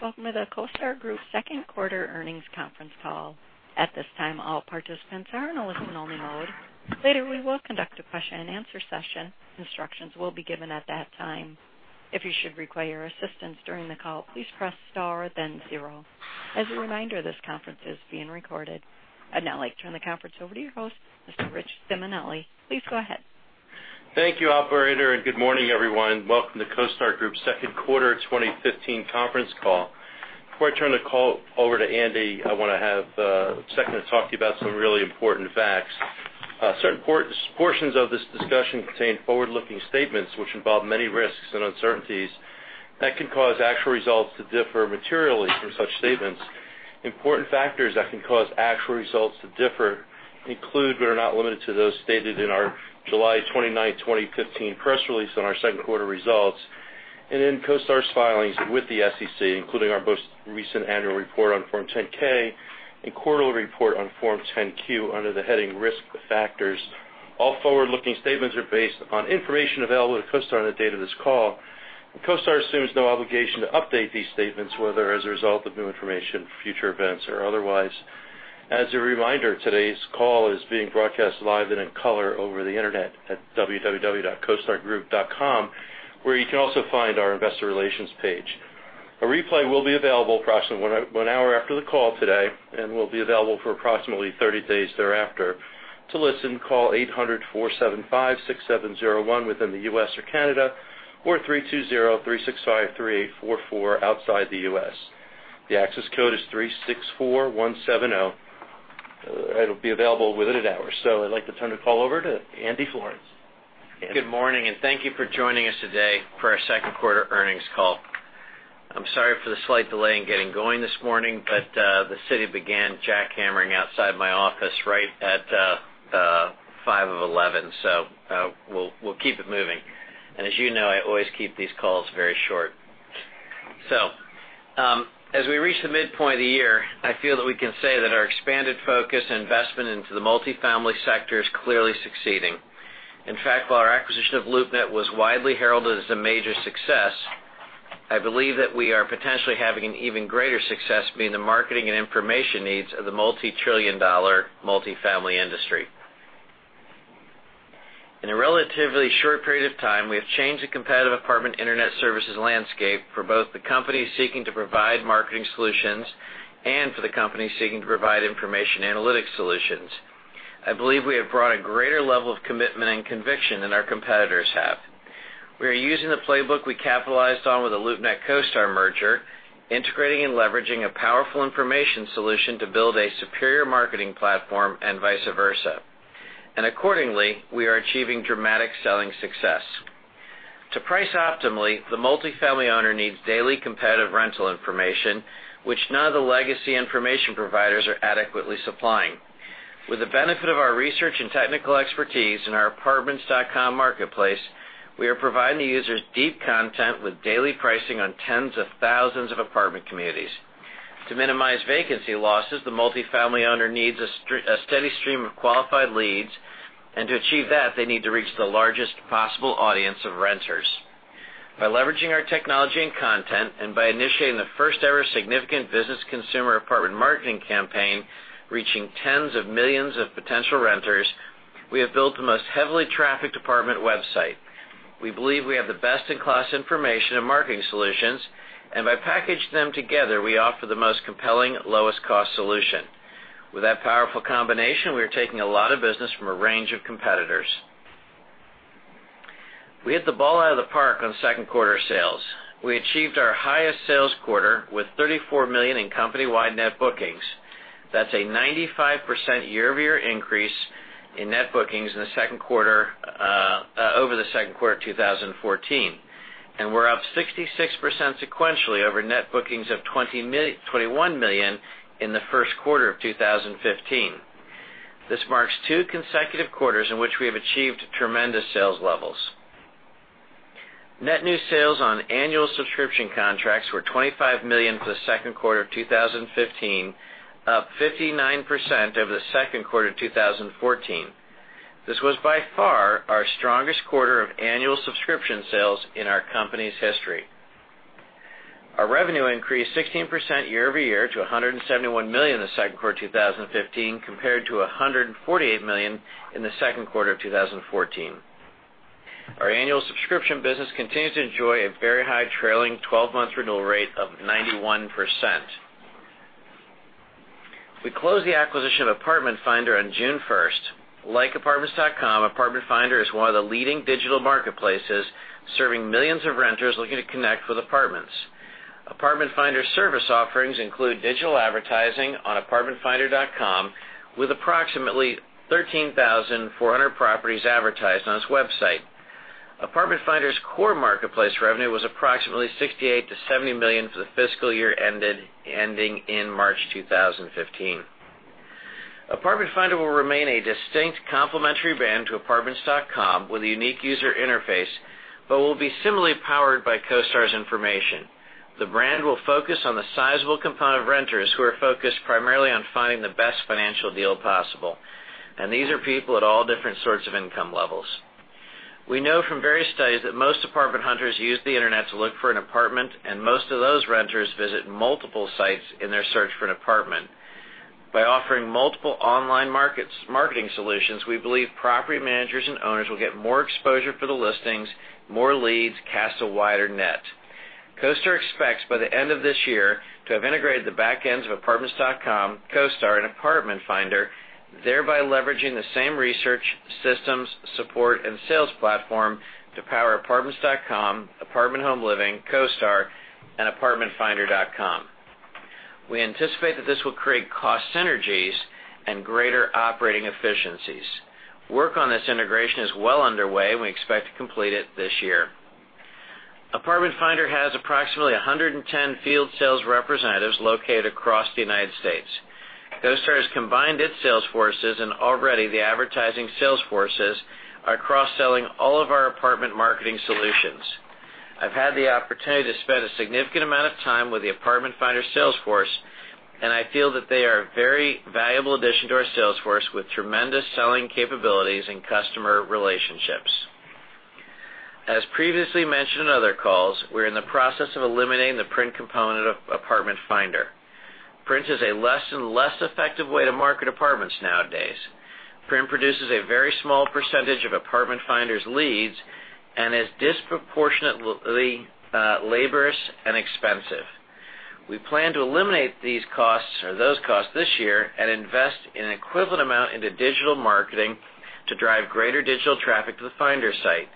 Welcome to the CoStar Group second quarter earnings conference call. At this time, all participants are in a listen-only mode. Later, we will conduct a question-and-answer session. Instructions will be given at that time. If you should require assistance during the call, please press star then zero. As a reminder, this conference is being recorded. I'd now like to turn the conference over to your host, Mr. Rich Simonelli. Please go ahead. Thank you, operator. Good morning, everyone. Welcome to CoStar Group's second quarter 2015 conference call. Before I turn the call over to Andy, I want to have a second to talk to you about some really important facts. Certain portions of this discussion contain forward-looking statements which involve many risks and uncertainties that can cause actual results to differ materially from such statements. Important factors that can cause actual results to differ include, but are not limited to, those stated in our July 29th, 2015, press release on our second quarter results and in CoStar's filings with the SEC, including our most recent annual report on Form 10-K and quarterly report on Form 10-Q under the heading Risk Factors. All forward-looking statements are based upon information available to CoStar on the date of this call. CoStar assumes no obligation to update these statements, whether as a result of new information, future events, or otherwise. As a reminder, today's call is being broadcast live and in color over the internet at www.costargroup.com, where you can also find our investor relations page. A replay will be available approximately one hour after the call today and will be available for approximately 30 days thereafter. To listen, call 800-475-6701 within the U.S. or Canada, or 320-365-3844 outside the U.S. The access code is 364170. It'll be available within an hour. I'd like to turn the call over to Andy Florance. Andy? Good morning. Thank you for joining us today for our second quarter earnings call. I'm sorry for the slight delay in getting going this morning, but the city began jackhammering outside my office right at five of 11. We'll keep it moving, and as you know, I always keep these calls very short. As we reach the midpoint of the year, I feel that we can say that our expanded focus and investment into the multifamily sector is clearly succeeding. In fact, while our acquisition of LoopNet was widely heralded as a major success, I believe that we are potentially having an even greater success meeting the marketing and information needs of the multi-trillion dollar multifamily industry. In a relatively short period of time, we have changed the competitive apartment internet services landscape for both the companies seeking to provide marketing solutions and for the companies seeking to provide information analytics solutions. I believe we have brought a greater level of commitment and conviction than our competitors have. We are using the playbook we capitalized on with the LoopNet-CoStar merger, integrating and leveraging a powerful information solution to build a superior marketing platform and vice versa. Accordingly, we are achieving dramatic selling success. To price optimally, the multifamily owner needs daily competitive rental information, which none of the legacy information providers are adequately supplying. With the benefit of our research and technical expertise in our Apartments.com marketplace, we are providing the users deep content with daily pricing on tens of thousands of apartment communities. To minimize vacancy losses, the multifamily owner needs a steady stream of qualified leads, and to achieve that, they need to reach the largest possible audience of renters. By leveraging our technology and content, and by initiating the first-ever significant business consumer apartment marketing campaign, reaching tens of millions of potential renters, we have built the most heavily trafficked apartment website. We believe we have the best-in-class information and marketing solutions, and by packaging them together, we offer the most compelling, lowest-cost solution. With that powerful combination, we are taking a lot of business from a range of competitors. We hit the ball out of the park on second quarter sales. We achieved our highest sales quarter with $34 million in company-wide net bookings. That's a 95% year-over-year increase in net bookings over the second quarter of 2014, and we're up 66% sequentially over net bookings of $21 million in the first quarter of 2015. This marks two consecutive quarters in which we have achieved tremendous sales levels. Net new sales on annual subscription contracts were $25 million for the second quarter of 2015, up 59% over the second quarter of 2014. This was by far our strongest quarter of annual subscription sales in our company's history. Our revenue increased 16% year-over-year to $171 million in the second quarter of 2015, compared to $148 million in the second quarter of 2014. Our annual subscription business continues to enjoy a very high trailing 12-month renewal rate of 91%. We closed the acquisition of Apartment Finder on June 1st. Like apartments.com, Apartment Finder is one of the leading digital marketplaces serving millions of renters looking to connect with apartments. Apartment Finder's service offerings include digital advertising on apartmentfinder.com, with approximately 13,400 properties advertised on its website. Apartment Finder's core marketplace revenue was approximately $68 million to $70 million for the fiscal year ending in March 2015. Apartment Finder will remain a distinct complementary brand to apartments.com with a unique user interface but will be similarly powered by CoStar's information. The brand will focus on the sizable component of renters who are focused primarily on finding the best financial deal possible, and these are people at all different sorts of income levels. We know from various studies that most apartment hunters use the internet to look for an apartment, and most of those renters visit multiple sites in their search for an apartment. By offering multiple online marketing solutions, we believe property managers and owners will get more exposure for the listings, more leads, cast a wider net. CoStar expects, by the end of this year, to have integrated the back ends of apartments.com, CoStar, and Apartment Finder, thereby leveraging the same research, systems, support, and sales platform to power apartments.com, Apartment Home Living, CoStar, and apartmentfinder.com. We anticipate that this will create cost synergies and greater operating efficiencies. Work on this integration is well underway, and we expect to complete it this year. Apartment Finder has approximately 110 field sales representatives located across the U.S. CoStar has combined its sales forces, already the advertising sales forces are cross-selling all of our apartment marketing solutions. I've had the opportunity to spend a significant amount of time with the Apartment Finder sales force, I feel that they are a very valuable addition to our sales force with tremendous selling capabilities and customer relationships. As previously mentioned in other calls, we're in the process of eliminating the print component of Apartment Finder. Print is a less and less effective way to market apartments nowadays. Print produces a very small percentage of Apartment Finder's leads and is disproportionately laborious and expensive. We plan to eliminate these costs or those costs this year and invest an equivalent amount into digital marketing to drive greater digital traffic to the Finder site.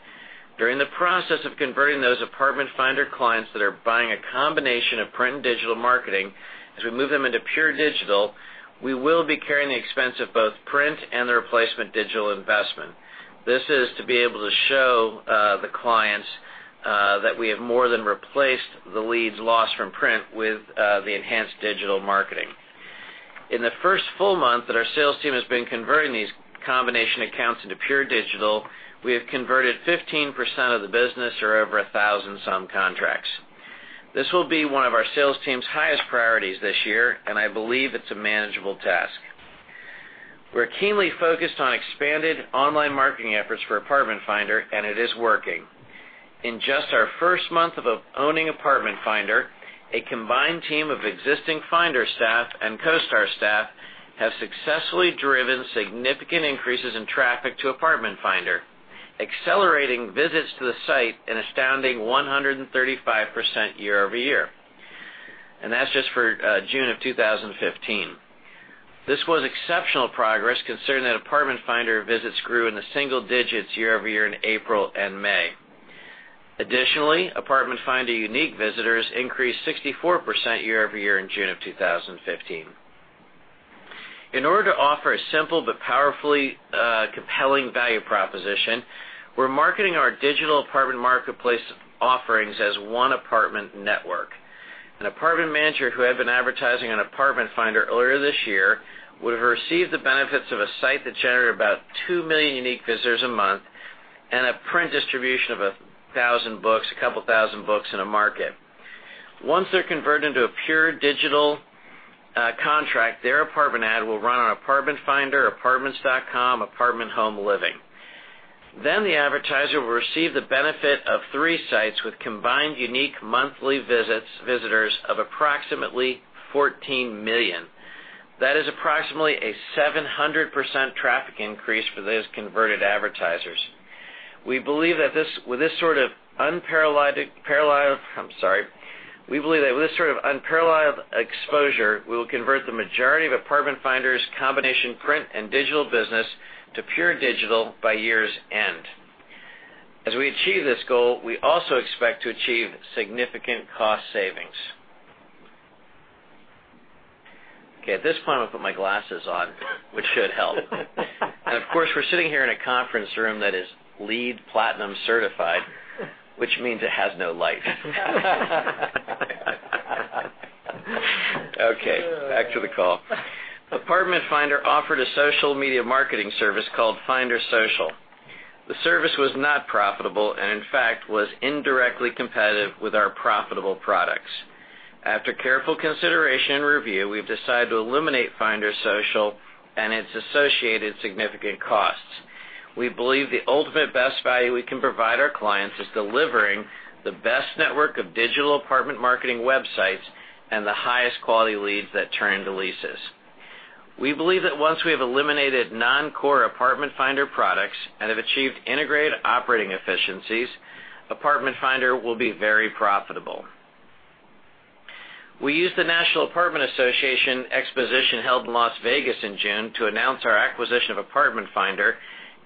During the process of converting those Apartment Finder clients that are buying a combination of print and digital marketing, as we move them into pure digital, we will be carrying the expense of both print and the replacement digital investment. This is to be able to show the clients that we have more than replaced the leads lost from print with the enhanced digital marketing. In the first full month that our sales team has been converting these combination accounts into pure digital, we have converted 15% of the business, or over 1,000 some contracts. This will be one of our sales team's highest priorities this year, I believe it's a manageable task. We're keenly focused on expanded online marketing efforts for Apartment Finder, it is working. In just our first month of owning Apartment Finder, a combined team of existing Finder staff and CoStar staff have successfully driven significant increases in traffic to Apartment Finder, accelerating visits to the site an astounding 135% year-over-year. That's just for June of 2015. This was exceptional progress considering that Apartment Finder visits grew in the single digits year-over-year in April and May. Additionally, Apartment Finder unique visitors increased 64% year-over-year in June of 2015. In order to offer a simple but powerfully compelling value proposition, we're marketing our digital apartment marketplace offerings as one apartment network. An apartment manager who had been advertising on Apartment Finder earlier this year would have received the benefits of a site that generated about 2 million unique visitors a month and a print distribution of 1,000 books, a couple thousand books in a market. Once they're converted into a pure digital contract, their apartment ad will run on Apartment Finder, apartments.com, Apartment Home Living. The advertiser will receive the benefit of three sites with combined unique monthly visitors of approximately 14 million. That is approximately a 700% traffic increase for those converted advertisers. We believe that with this sort of unparalleled exposure, we will convert the majority of Apartment Finder's combination print and digital business to pure digital by year's end. As we achieve this goal, we also expect to achieve significant cost savings. Okay. At this point, I'm going to put my glasses on, which should help. Of course, we're sitting here in a conference room that is LEED Platinum certified, which means it has no life. Okay, back to the call. Apartment Finder offered a social media marketing service called Finder Social. The service was not profitable and, in fact, was indirectly competitive with our profitable products. After careful consideration and review, we've decided to eliminate Finder Social and its associated significant costs. We believe the ultimate best value we can provide our clients is delivering the best network of digital apartment marketing websites and the highest quality leads that turn into leases. We believe that once we have eliminated non-core Apartment Finder products and have achieved integrated operating efficiencies, Apartment Finder will be very profitable. We used the National Apartment Association Exposition held in Las Vegas in June to announce our acquisition of Apartment Finder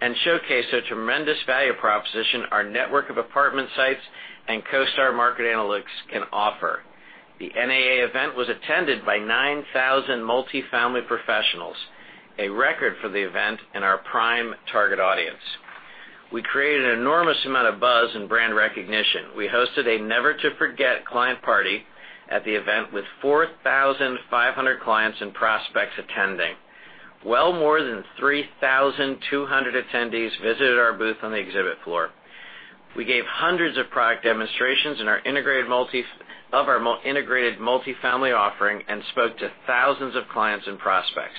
and showcase the tremendous value proposition our network of apartment sites and CoStar Market Analytics can offer. The NAA event was attended by 9,000 multifamily professionals, a record for the event and our prime target audience. We created an enormous amount of buzz and brand recognition. We hosted a never-to-forget client party at the event, with 4,500 clients and prospects attending. More than 3,200 attendees visited our booth on the exhibit floor. We gave hundreds of product demonstrations of our integrated multifamily offering and spoke to thousands of clients and prospects.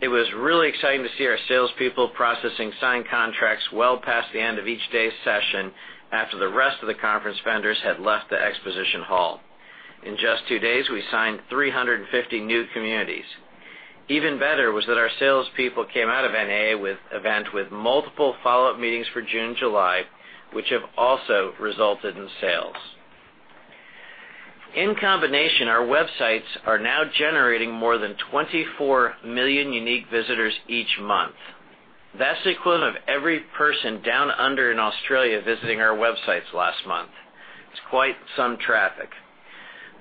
It was really exciting to see our salespeople processing signed contracts well past the end of each day's session after the rest of the conference vendors had left the exposition hall. In just two days, we signed 350 new communities. Even better was that our salespeople came out of NAA event with multiple follow-up meetings for June, July, which have also resulted in sales. In combination, our websites are now generating more than 24 million unique visitors each month. That's the equivalent of every person down under in Australia visiting our websites last month. It's quite some traffic.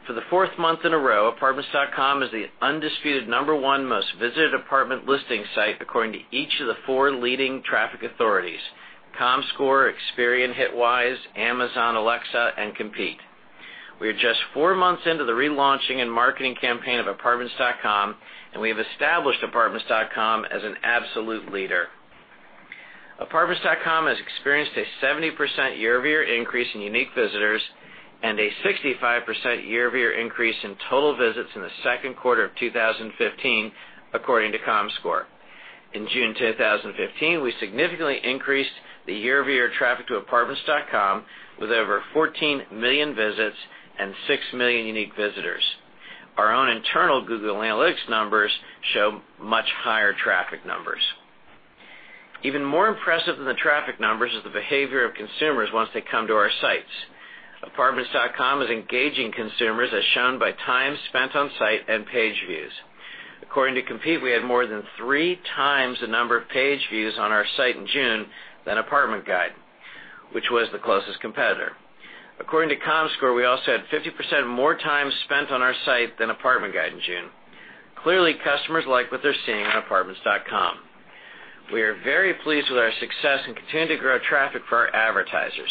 For the fourth month in a row, apartments.com is the undisputed number one most visited apartment listing site according to each of the four leading traffic authorities, Comscore, Experian, Hitwise, Amazon Alexa, and Compete. We are just four months into the relaunching and marketing campaign of apartments.com, we have established apartments.com as an absolute leader. Apartments.com has experienced a 70% year-over-year increase in unique visitors and a 65% year-over-year increase in total visits in the 2Q of 2015, according to Comscore. In June 2015, we significantly increased the year-over-year traffic to apartments.com with over 14 million visits and 6 million unique visitors. Our own internal Google Analytics numbers show much higher traffic numbers. Even more impressive than the traffic numbers is the behavior of consumers once they come to our sites. Apartments.com is engaging consumers as shown by time spent on site and page views. According to Compete, we had more than 3 times the number of page views on our site in June than Apartment Guide, which was the closest competitor. According to Comscore, we also had 50% more time spent on our site than Apartment Guide in June. Clearly, customers like what they're seeing on apartments.com. We are very pleased with our success and continue to grow traffic for our advertisers.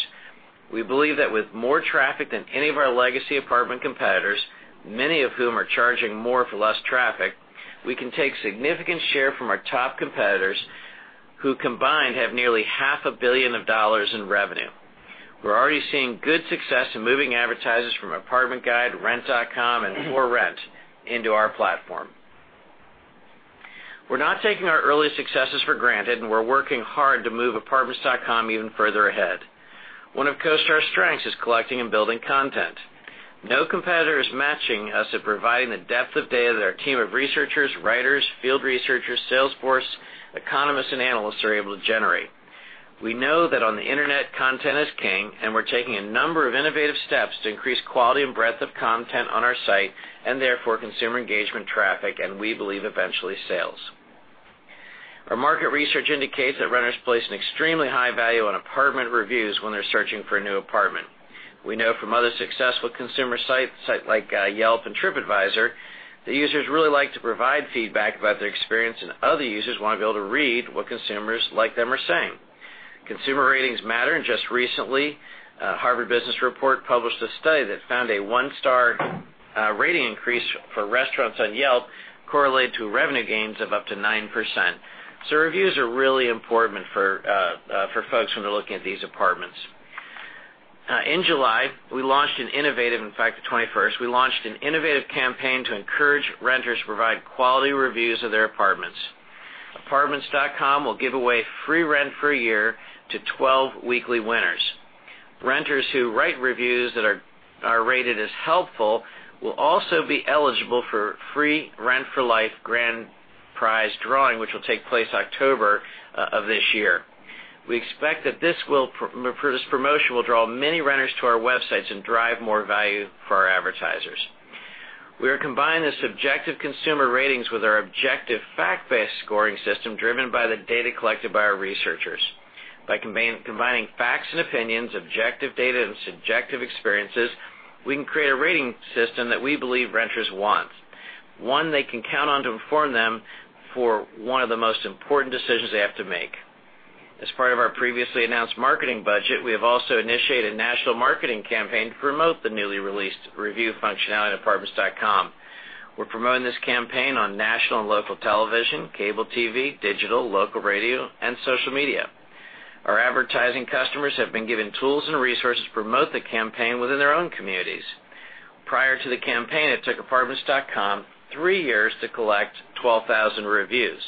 We believe that with more traffic than any of our legacy apartment competitors, many of whom are charging more for less traffic, we can take significant share from our top competitors, who combined have nearly half a billion of dollars in revenue. We're already seeing good success in moving advertisers from Apartment Guide, rent.com, and ForRent into our platform. We're not taking our early successes for granted, and we're working hard to move apartments.com even further ahead. One of CoStar's strengths is collecting and building content. No competitor is matching us at providing the depth of data that our team of researchers, writers, field researchers, salesforce, economists, and analysts are able to generate. We know that on the internet, content is king, and we're taking a number of innovative steps to increase quality and breadth of content on our site, and therefore, consumer engagement traffic, and we believe eventually sales. Our market research indicates that renters place an extremely high value on apartment reviews when they're searching for a new apartment. We know from other successful consumer sites like Yelp and TripAdvisor, that users really like to provide feedback about their experience, and other users want to be able to read what consumers like them are saying. Consumer ratings matter, and just recently, Harvard Business Review published a study that found a one-star rating increase for restaurants on Yelp correlate to revenue gains of up to 9%. So reviews are really important for folks when they're looking at these apartments. In July, we launched an innovative, in fact, the 21st, we launched an innovative campaign to encourage renters to provide quality reviews of their apartments. apartments.com will give away free rent for a year to 12 weekly winners. Renters who write reviews that are rated as helpful will also be eligible for Rent for Life grand prize drawing, which will take place October of this year. We expect that this promotion will draw many renters to our websites and drive more value for our advertisers. We are combining the subjective consumer ratings with our objective fact-based scoring system driven by the data collected by our researchers. By combining facts and opinions, objective data, and subjective experiences, we can create a rating system that we believe renters want. One they can count on to inform them for one of the most important decisions they have to make. As part of our previously announced marketing budget, we have also initiated a national marketing campaign to promote the newly released review functionality at apartments.com. We're promoting this campaign on national and local television, cable TV, digital, local radio, and social media. Our advertising customers have been given tools and resources to promote the campaign within their own communities. Prior to the campaign, it took apartments.com 3 years to collect 12,000 reviews.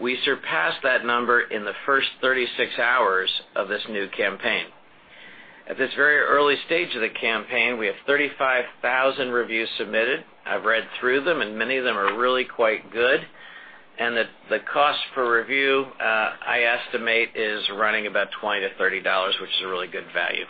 We surpassed that number in the first 36 hours of this new campaign. At this very early stage of the campaign, we have 35,000 reviews submitted. I've read through them, and many of them are really quite good. The cost per review, I estimate, is running about $20-$30, which is a really good value.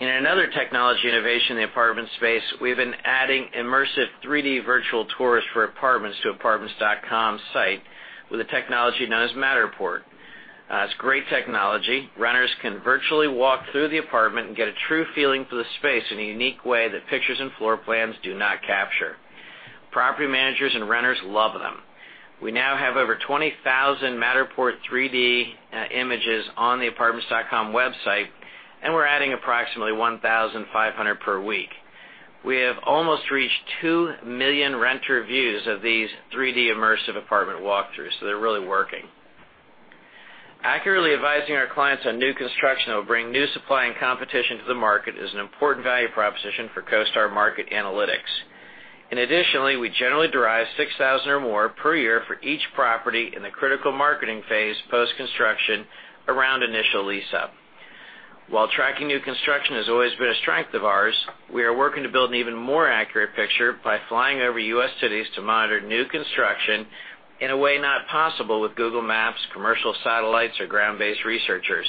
In another technology innovation in the apartment space, we've been adding immersive 3D virtual tours for apartments to apartments.com site with a technology known as Matterport. It's great technology. Renters can virtually walk through the apartment and get a true feeling for the space in a unique way that pictures and floor plans do not capture. Property managers and renters love them. We now have over 20,000 Matterport 3D images on the apartments.com website, and we're adding approximately 1,500 per week. We have almost reached 2 million renter views of these 3D immersive apartment walkthroughs, they're really working. Accurately advising our clients on new construction that will bring new supply and competition to the market is an important value proposition for CoStar Market Analytics. Additionally, we generally derive 6,000 or more per year for each property in the critical marketing phase post-construction around initial lease-up. While tracking new construction has always been a strength of ours, we are working to build an even more accurate picture by flying over U.S. cities to monitor new construction in a way not possible with Google Maps, commercial satellites, or ground-based researchers.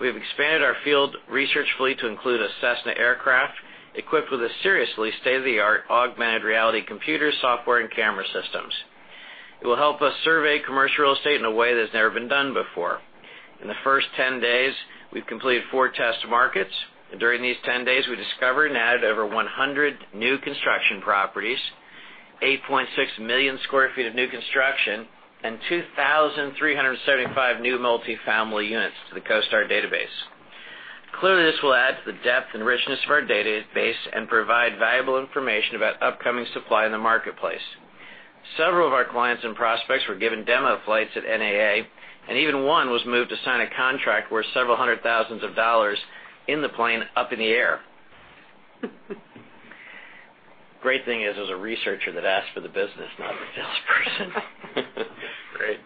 We have expanded our field research fleet to include a Cessna aircraft equipped with a seriously state-of-the-art augmented reality computer software and camera systems. It will help us survey commercial real estate in a way that's never been done before. In the first 10 days, we've completed four test markets. During these 10 days, we discovered and added over 100 new construction properties, 8.6 million sq ft of new construction, and 2,375 new multifamily units to the CoStar database. Clearly, this will add to the depth and richness of our database and provide valuable information about upcoming supply in the marketplace. Several of our clients and prospects were given demo flights at NAA, and even one was moved to sign a contract worth several hundred thousands of dollars in the plane up in the air. Great thing is, it was a researcher that asked for the business, not a salesperson. Great.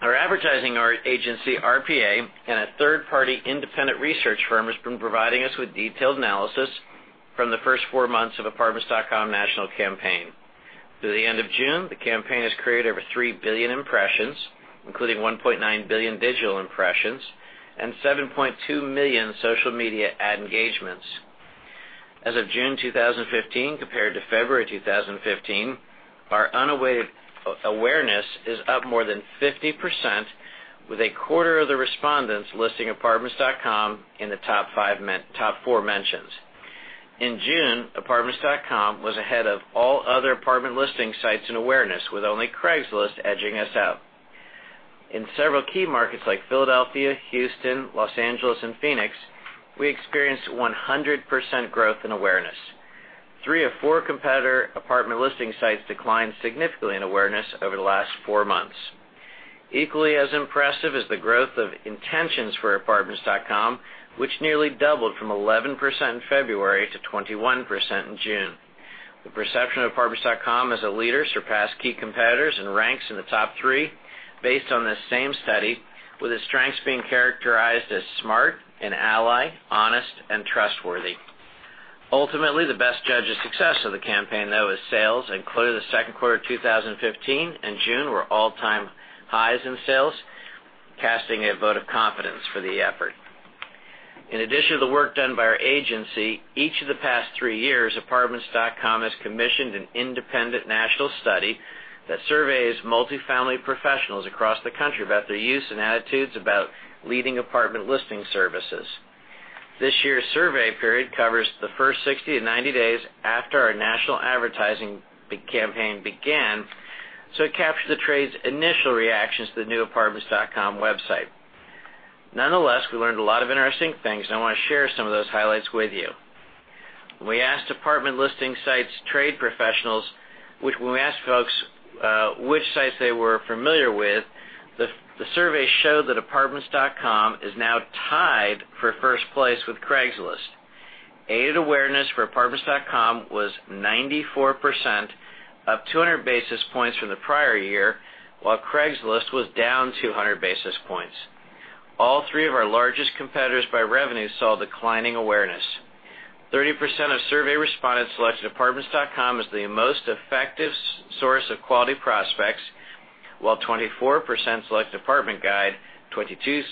Our advertising agency, RPA, and a third-party independent research firm has been providing us with detailed analysis from the first four months of apartments.com national campaign. Through the end of June, the campaign has created over 3 billion impressions, including 1.9 billion digital impressions and 7.2 million social media ad engagements. As of June 2015 compared to February 2015, our awareness is up more than 50% with a quarter of the respondents listing apartments.com in the top four mentions. In June, apartments.com was ahead of all other apartment listing sites and awareness, with only Craigslist edging us out. In several key markets like Philadelphia, Houston, Los Angeles, and Phoenix, we experienced 100% growth in awareness. Three of four competitor apartment listing sites declined significantly in awareness over the last four months. Equally as impressive is the growth of intentions for apartments.com, which nearly doubled from 11% in February to 21% in June. The perception of apartments.com as a leader surpassed key competitors and ranks in the top three based on this same study, with its strengths being characterized as smart, an ally, honest, and trustworthy. Ultimately, the best judge of success of the campaign, though, is sales. Clearly the second quarter 2015 and June were all-time highs in sales, casting a vote of confidence for the effort. In addition to the work done by our agency, each of the past three years, apartments.com has commissioned an independent national study that surveys multifamily professionals across the country about their use and attitudes about leading apartment listing services. This year's survey period covers the first 60 to 90 days after our national advertising campaign began, it captured the trade's initial reactions to the new apartments.com website. Nonetheless, we learned a lot of interesting things, I want to share some of those highlights with you. When we asked apartment listing sites trade professionals which sites they were familiar with, the survey showed that apartments.com is now tied for first place with Craigslist. Aided awareness for apartments.com was 94%, up 200 basis points from the prior year, while Craigslist was down 200 basis points. All three of our largest competitors by revenue saw declining awareness. 30% of survey respondents selected apartments.com as the most effective source of quality prospects, while 24% selected Apartment Guide, 22%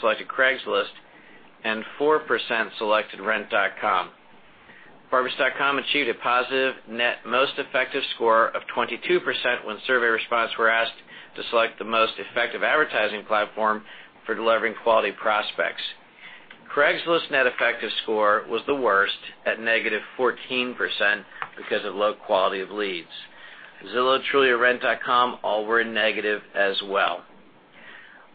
selected Craigslist, and 4% selected rent.com. Apartments.com achieved a positive net most effective score of 22% when survey respondents were asked to select the most effective advertising platform for delivering quality prospects. Craigslist net effective score was the worst at negative 14% because of low quality of leads. Zillow, Trulia, rent.com, all were negative as well.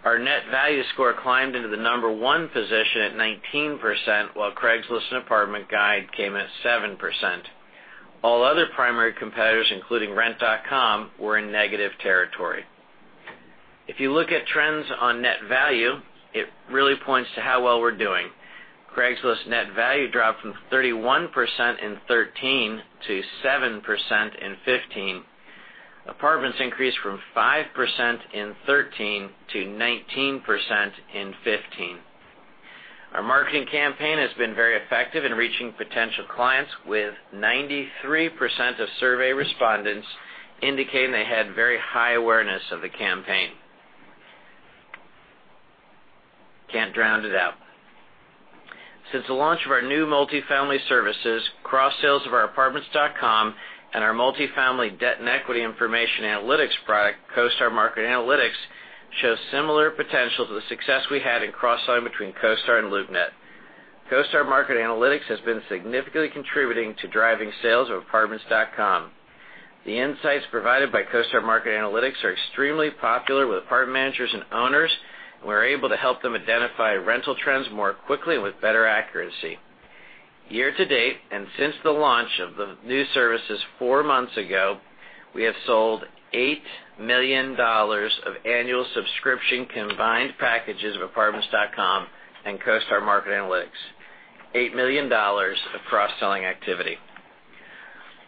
Our net value score climbed into the number one position at 19%, while Craigslist and Apartment Guide came at 7%. All other primary competitors, including rent.com, were in negative territory. If you look at trends on net value, it really points to how well we're doing. Craigslist net value dropped from 31% in 2013 to 7% in 2015. Apartments.com increased from 5% in 2013 to 19% in 2015. Our marketing campaign has been very effective in reaching potential clients, with 93% of survey respondents indicating they had very high awareness of the campaign. Can't drown it out. Since the launch of our new multifamily services, cross-sales of our apartments.com and our multifamily debt and equity information analytics product, CoStar Market Analytics, show similar potential to the success we had in cross-selling between CoStar and LoopNet. CoStar Market Analytics has been significantly contributing to driving sales of apartments.com. The insights provided by CoStar Market Analytics are extremely popular with apartment managers and owners. We're able to help them identify rental trends more quickly and with better accuracy. Year-to-date, since the launch of the new services four months ago, we have sold $8 million of annual subscription combined packages of apartments.com and CoStar Market Analytics. $8 million of cross-selling activity.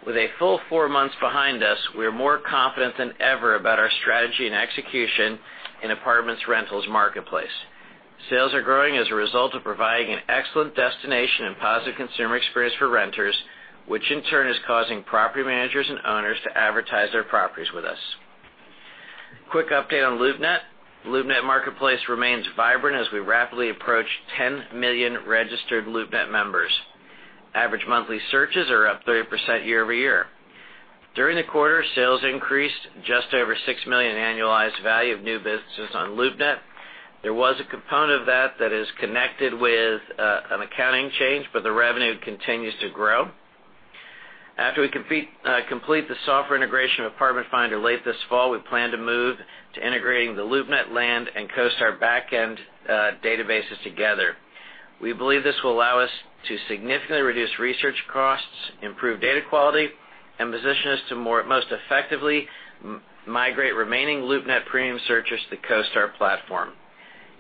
With a full four months behind us, we are more confident than ever about our strategy and execution in apartments rentals marketplace. Sales are growing as a result of providing an excellent destination and positive consumer experience for renters, which in turn is causing property managers and owners to advertise their properties with us. Quick update on LoopNet. LoopNet marketplace remains vibrant as we rapidly approach 10 million registered LoopNet members. Average monthly searches are up 30% year-over-year. During the quarter, sales increased just over $6 million annualized value of new businesses on LoopNet. There was a component of that that is connected with an accounting change, but the revenue continues to grow. After we complete the software integration of Apartment Finder late this fall, we plan to move to integrating the LoopNet land and CoStar backend databases together. We believe this will allow us to significantly reduce research costs, improve data quality, and position us to most effectively migrate remaining LoopNet premium searches to the CoStar platform.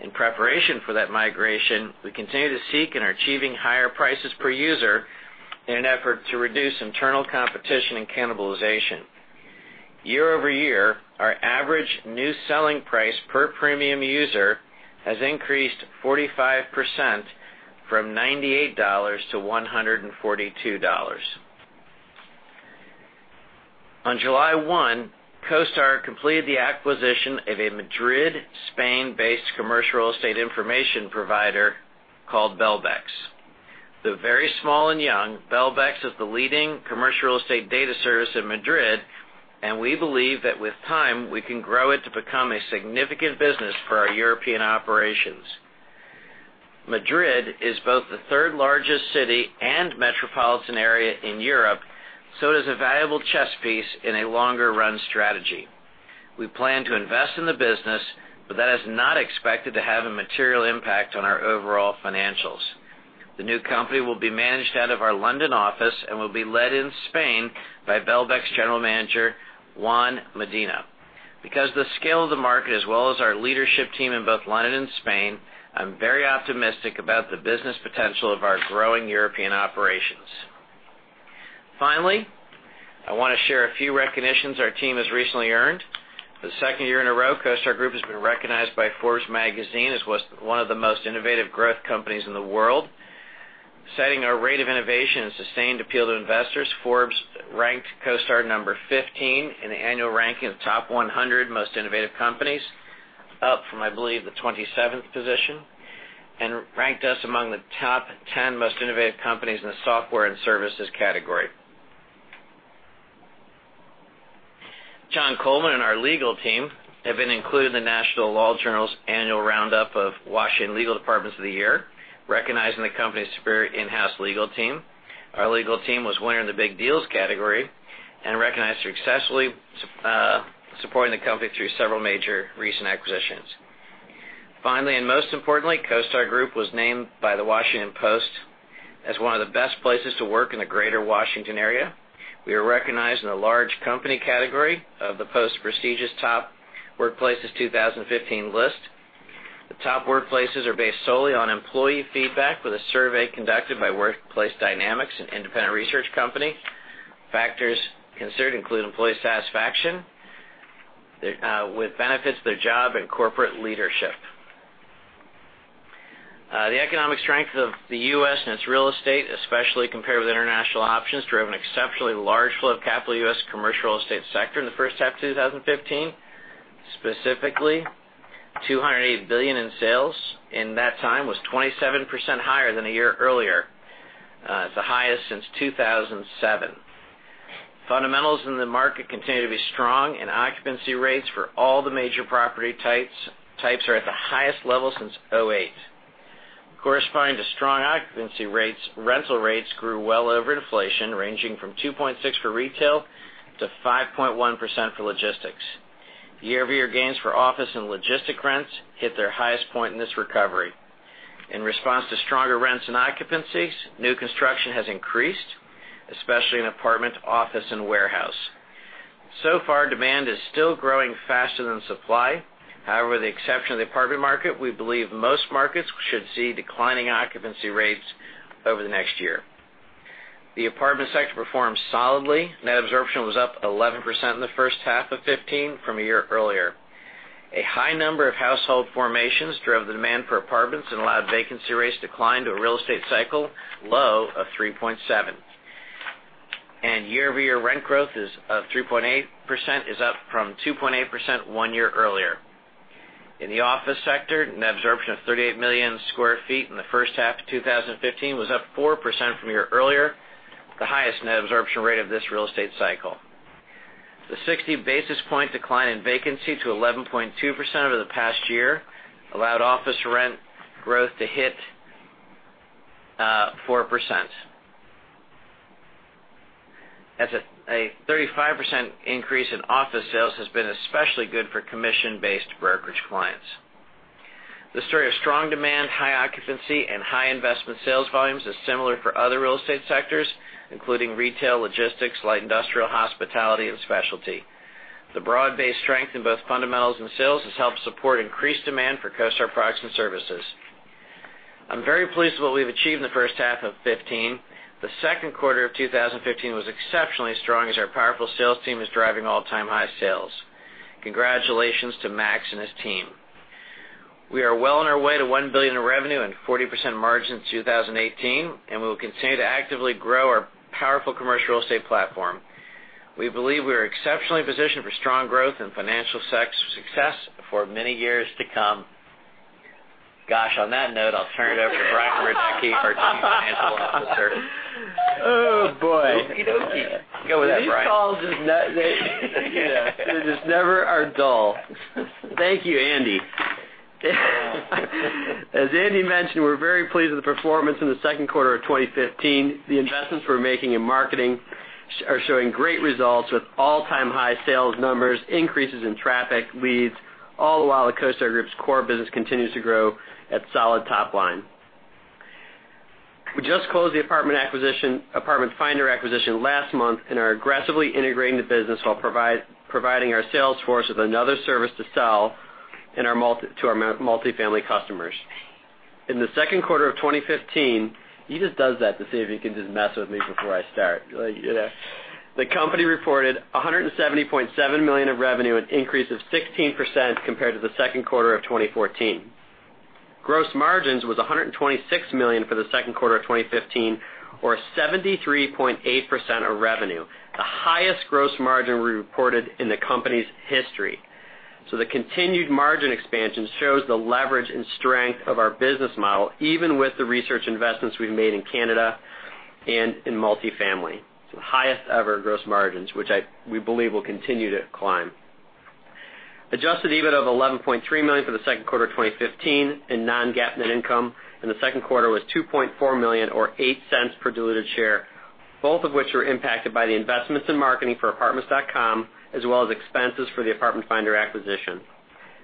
In preparation for that migration, we continue to seek and are achieving higher prices per user in an effort to reduce internal competition and cannibalization. Year-over-year, our average new selling price per premium user has increased 45%, from $98 to $142. On July 1, CoStar completed the acquisition of a Madrid, Spain-based commercial real estate information provider called Belvex. Though very small and young, Belvex is the leading commercial real estate data service in Madrid, and we believe that with time, we can grow it to become a significant business for our European operations. Madrid is both the third-largest city and metropolitan area in Europe, it is a valuable chess piece in a longer run strategy. We plan to invest in the business, but that is not expected to have a material impact on our overall financials. The new company will be managed out of our London office and will be led in Spain by Belvex General Manager, Juan Medina. Because of the scale of the market as well as our leadership team in both London and Spain, I am very optimistic about the business potential of our growing European operations. Finally, I want to share a few recognitions our team has recently earned. For the second year in a row, CoStar Group has been recognized by Forbes magazine as one of the most innovative growth companies in the world. Citing our rate of innovation and sustained appeal to investors, Forbes ranked CoStar number 15 in the annual ranking of the top 100 most innovative companies, up from, I believe, the 27th position, and ranked us among the top 10 most innovative companies in the software and services category. John Coleman and our legal team have been included in The National Law Journal's annual roundup of Washington legal departments of the year, recognizing the company's superior in-house legal team. Our legal team was winner in the big deals category and recognized for successfully supporting the company through several major recent acquisitions. Finally, and most importantly, CoStar Group was named by The Washington Post as one of the best places to work in the greater Washington area. We were recognized in the large company category of The Post's prestigious Top Workplaces 2015 list. The top workplaces are based solely on employee feedback, with a survey conducted by Workplace Dynamics, an independent research company. Factors considered include employee satisfaction with benefits, their job, and corporate leadership. The economic strength of the U.S. and its real estate, especially compared with international options, drove an exceptionally large flow of capital to the U.S. commercial real estate sector in the first half of 2015. Specifically, $280 billion in sales in that time was 27% higher than a year earlier. It is the highest since 2007. Fundamentals in the market continue to be strong, and occupancy rates for all the major property types are at the highest level since 2008. Corresponding to strong occupancy rates, rental rates grew well over inflation, ranging from 2.6% for retail to 5.1% for logistics. Year-over-year gains for office and logistic rents hit their highest point in this recovery. In response to stronger rents and occupancies, new construction has increased, especially in apartment, office, and warehouse. Demand is still growing faster than supply. However, with the exception of the apartment market, we believe most markets should see declining occupancy rates over the next year. The apartment sector performed solidly. Net absorption was up 11% in the first half of 2015 from a year earlier. A high number of household formations drove the demand for apartments and allowed vacancy rates to decline to a real estate cycle low of 3.7%. Year-over-year rent growth of 3.8% is up from 2.8% one year earlier. In the office sector, net absorption of 38 million sq ft in the first half of 2015 was up 4% from a year earlier, the highest net absorption rate of this real estate cycle. The 60-basis-point decline in vacancy to 11.2% over the past year allowed office rent growth to hit 4%. A 35% increase in office sales has been especially good for commission-based brokerage clients. The story of strong demand, high occupancy, and high investment sales volumes is similar for other real estate sectors, including retail, logistics, light industrial, hospitality, and specialty. The broad-based strength in both fundamentals and sales has helped support increased demand for CoStar products and services. I'm very pleased with what we've achieved in the first half of 2015. The second quarter of 2015 was exceptionally strong, as our powerful sales team is driving all-time high sales. Congratulations to Max and his team. We are well on our way to $1 billion in revenue and 40% margin in 2018. We will continue to actively grow our powerful commercial real estate platform. We believe we are exceptionally positioned for strong growth and financial success for many years to come. Gosh, on that note, I'll turn it over to Brian Radecki, our Chief Financial Officer. Oh, boy. Okey-dokey. Go with it, Brian. These calls just never are dull. Thank you, Andy. As Andy mentioned, we are very pleased with the performance in the second quarter of 2015. The investments we are making in marketing are showing great results, with all-time high sales numbers, increases in traffic, leads, all the while the CoStar Group's core business continues to grow at solid top line. We just closed the Apartment Finder acquisition last month and are aggressively integrating the business while providing our sales force with another service to sell to our multifamily customers. In the second quarter of 2015 He just does that to see if he can just mess with me before I start. The company reported $170.7 million of revenue, an increase of 16% compared to the second quarter of 2014. Gross margins was $126 million for the second quarter of 2015, or 73.8% of revenue, the highest gross margin we reported in the company's history. The continued margin expansion shows the leverage and strength of our business model, even with the research investments we have made in Canada and in multifamily. It is the highest-ever gross margins, which we believe will continue to climb. Adjusted EBITDA of $11.3 million for the second quarter of 2015 and non-GAAP net income in the second quarter was $2.4 million, or $0.08 per diluted share, both of which were impacted by the investments in marketing for apartments.com, as well as expenses for the Apartment Finder acquisition.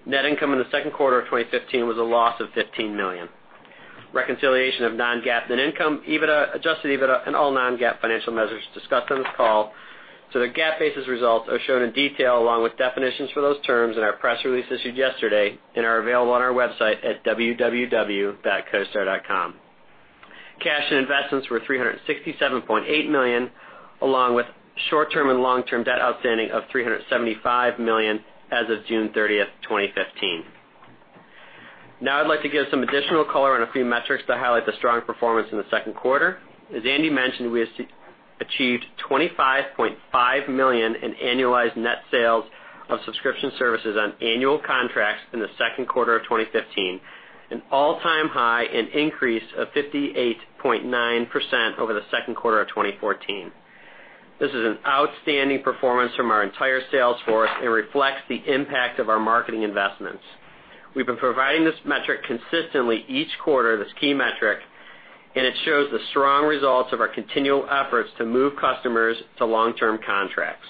Net income in the second quarter of 2015 was a loss of $15 million. Reconciliation of non-GAAP net income, adjusted EBITDA, and all non-GAAP financial measures discussed on this call to the GAAP-based results are shown in detail, along with definitions for those terms in our press release issued yesterday and are available on our website at www.costar.com. Cash and investments were $367.8 million, along with short-term and long-term debt outstanding of $375 million as of June 30th, 2015. Now I would like to give some additional color on a few metrics that highlight the strong performance in the second quarter. As Andy mentioned, we achieved $25.5 million in annualized net sales of subscription services on annual contracts in the second quarter of 2015, an all-time high, an increase of 58.9% over the second quarter of 2014. This is an outstanding performance from our entire sales force and reflects the impact of our marketing investments. We've been providing this metric consistently each quarter, this key metric, it shows the strong results of our continual efforts to move customers to long-term contracts.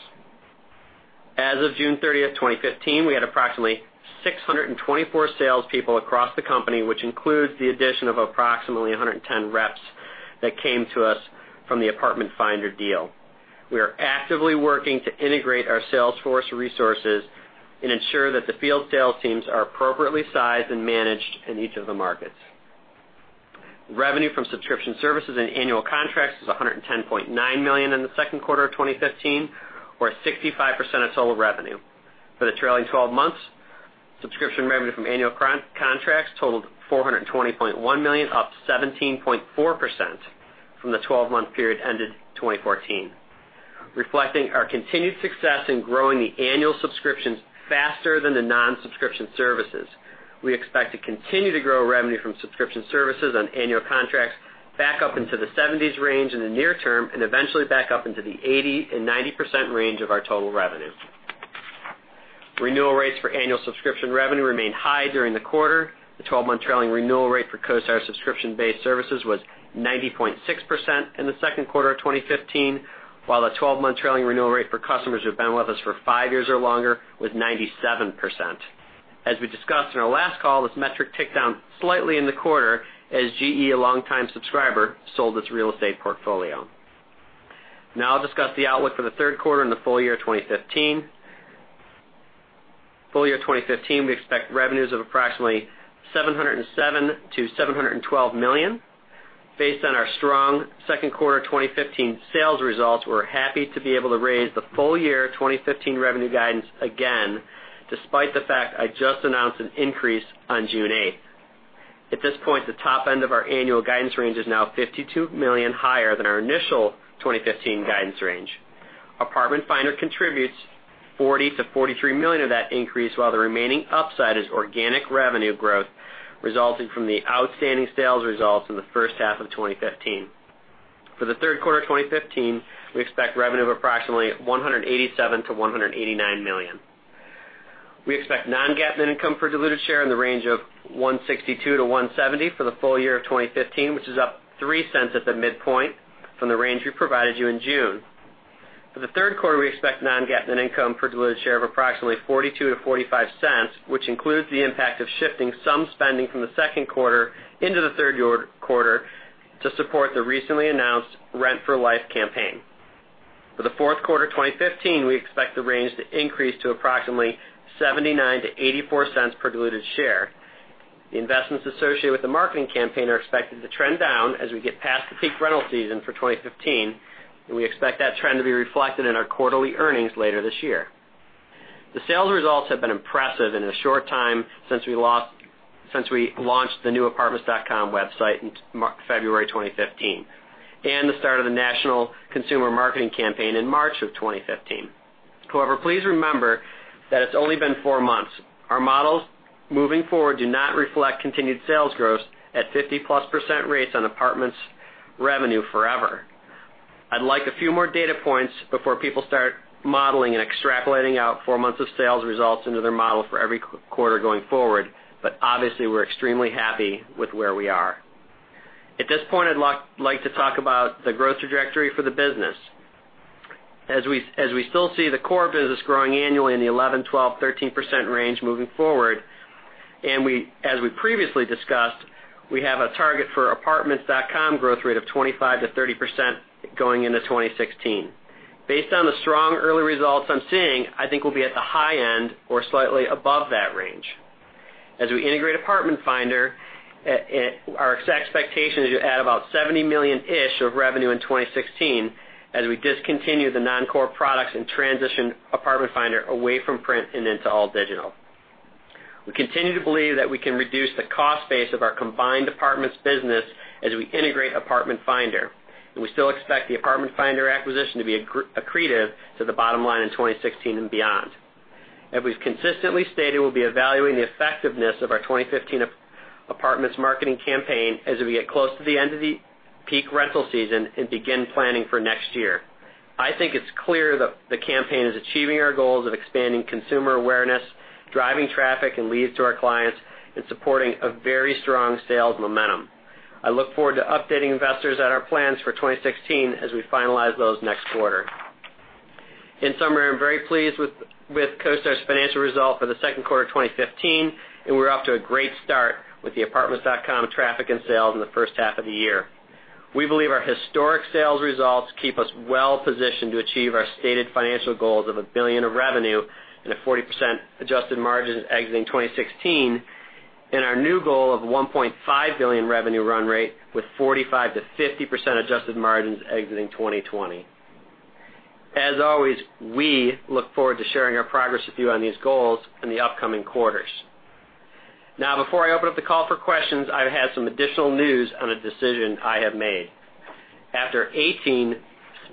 As of June 30th, 2015, we had approximately 624 salespeople across the company, which includes the addition of approximately 110 reps that came to us from the Apartment Finder deal. We are actively working to integrate our sales force resources and ensure that the field sales teams are appropriately sized and managed in each of the markets. Revenue from subscription services and annual contracts is $110.9 million in the second quarter of 2015, or 65% of total revenue. For the trailing 12 months, subscription revenue from annual contracts totaled $420.1 million, up 17.4% from the 12-month period ended 2014, reflecting our continued success in growing the annual subscriptions faster than the non-subscription services. We expect to continue to grow revenue from subscription services on annual contracts back up into the 70s range in the near term and eventually back up into the 80% and 90% range of our total revenue. Renewal rates for annual subscription revenue remained high during the quarter. The 12-month trailing renewal rate for CoStar subscription-based services was 90.6% in the second quarter of 2015, while the 12-month trailing renewal rate for customers who've been with us for five years or longer was 97%. As we discussed in our last call, this metric ticked down slightly in the quarter as GE, a longtime subscriber, sold its real estate portfolio. I'll discuss the outlook for the third quarter and the full year 2015. Full year 2015, we expect revenues of approximately $707 million to $712 million. Based on our strong second quarter 2015 sales results, we're happy to be able to raise the full year 2015 revenue guidance again, despite the fact I just announced an increase on June 8th. At this point, the top end of our annual guidance range is now $52 million higher than our initial 2015 guidance range. Apartment Finder contributes $40 million to $43 million of that increase, while the remaining upside is organic revenue growth resulting from the outstanding sales results in the first half of 2015. For the third quarter of 2015, we expect revenue of approximately $187 million to $189 million. We expect non-GAAP net income per diluted share in the range of $1.62 to $1.70 for the full year of 2015, which is up $0.03 at the midpoint from the range we provided you in June. For the third quarter, we expect non-GAAP net income per diluted share of approximately $0.42 to $0.45, which includes the impact of shifting some spending from the second quarter into the third quarter to support the recently announced Rent for Life campaign. For the fourth quarter 2015, we expect the range to increase to approximately $0.79 to $0.84 per diluted share. The investments associated with the marketing campaign are expected to trend down as we get past the peak rental season for 2015, and we expect that trend to be reflected in our quarterly earnings later this year. The sales results have been impressive in the short time since we launched the new apartments.com website in February 2015, and the start of the national consumer marketing campaign in March of 2015. However, please remember that it's only been four months. Our models moving forward do not reflect continued sales growth at 50+% rates on apartments revenue forever. I'd like a few more data points before people start modeling and extrapolating out 4 months of sales results into their model for every quarter going forward, but obviously, we're extremely happy with where we are. At this point, I'd like to talk about the growth trajectory for the business. We still see the core business growing annually in the 11%, 12%, 13% range moving forward, and as we previously discussed, we have a target for Apartments.com growth rate of 25%-30% going into 2016. Based on the strong early results I'm seeing, I think we'll be at the high end or slightly above that range. We integrate Apartment Finder, our expectation is you add about $70 million-ish of revenue in 2016, as we discontinue the non-core products and transition Apartment Finder away from print and into all digital. We continue to believe that we can reduce the cost base of our combined apartments business as we integrate Apartment Finder, and we still expect the Apartment Finder acquisition to be accretive to the bottom line in 2016 and beyond. We've consistently stated, we'll be evaluating the effectiveness of our 2015 apartments marketing campaign as we get close to the end of the peak rental season and begin planning for next year. I think it's clear the campaign is achieving our goals of expanding consumer awareness, driving traffic and leads to our clients, and supporting a very strong sales momentum. I look forward to updating investors on our plans for 2016 as we finalize those next quarter. In summary, I'm very pleased with CoStar's financial results for the second quarter 2015, and we're off to a great start with the Apartments.com traffic and sales in the first half of the year. We believe our historic sales results keep us well-positioned to achieve our stated financial goals of $1 billion of revenue and 40% adjusted margins exiting 2016, and our new goal of $1.5 billion revenue run rate with 45%-50% adjusted margins exiting 2020. Always, we look forward to sharing our progress with you on these goals in the upcoming quarters. Before I open up the call for questions, I have some additional news on a decision I have made. After 18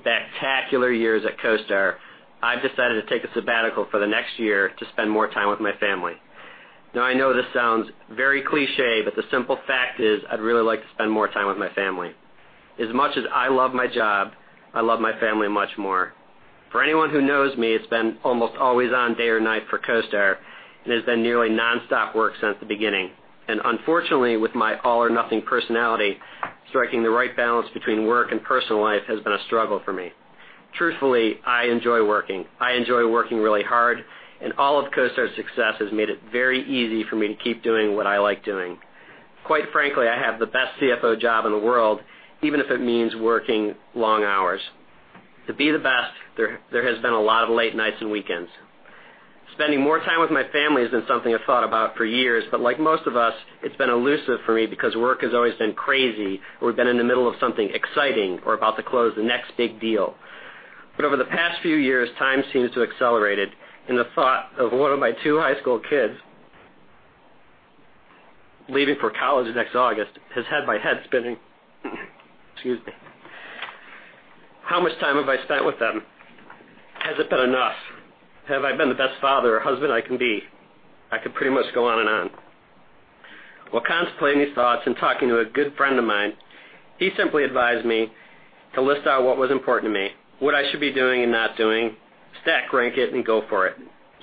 spectacular years at CoStar, I've decided to take a sabbatical for the next year to spend more time with my family. I know this sounds very cliché, but the simple fact is, I'd really like to spend more time with my family. Much as I love my job, I love my family much more. For anyone who knows me, it's been almost always on, day or night, for CoStar, and it's been nearly non-stop work since the beginning. Unfortunately, with my all-or-nothing personality, striking the right balance between work and personal life has been a struggle for me. Truthfully, I enjoy working. I enjoy working really hard, and all of CoStar's success has made it very easy for me to keep doing what I like doing. Quite frankly, I have the best CFO job in the world, even if it means working long hours. To be the best, there has been a lot of late nights and weekends. Spending more time with my family has been something I've thought about for years, but like most of us, it's been elusive for me because work has always been crazy, or we've been in the middle of something exciting or about to close the next big deal. Over the past few years, time seems to have accelerated, and the thought of one of my two high school kids leaving for college next August has had my head spinning. Excuse me. How much time have I spent with them? Has it been enough? Have I been the best father or husband I can be? I could pretty much go on and on. While contemplating these thoughts and talking to a good friend of mine, he simply advised me to list out what was important to me, what I should be doing and not doing, stack rank it, and go for it.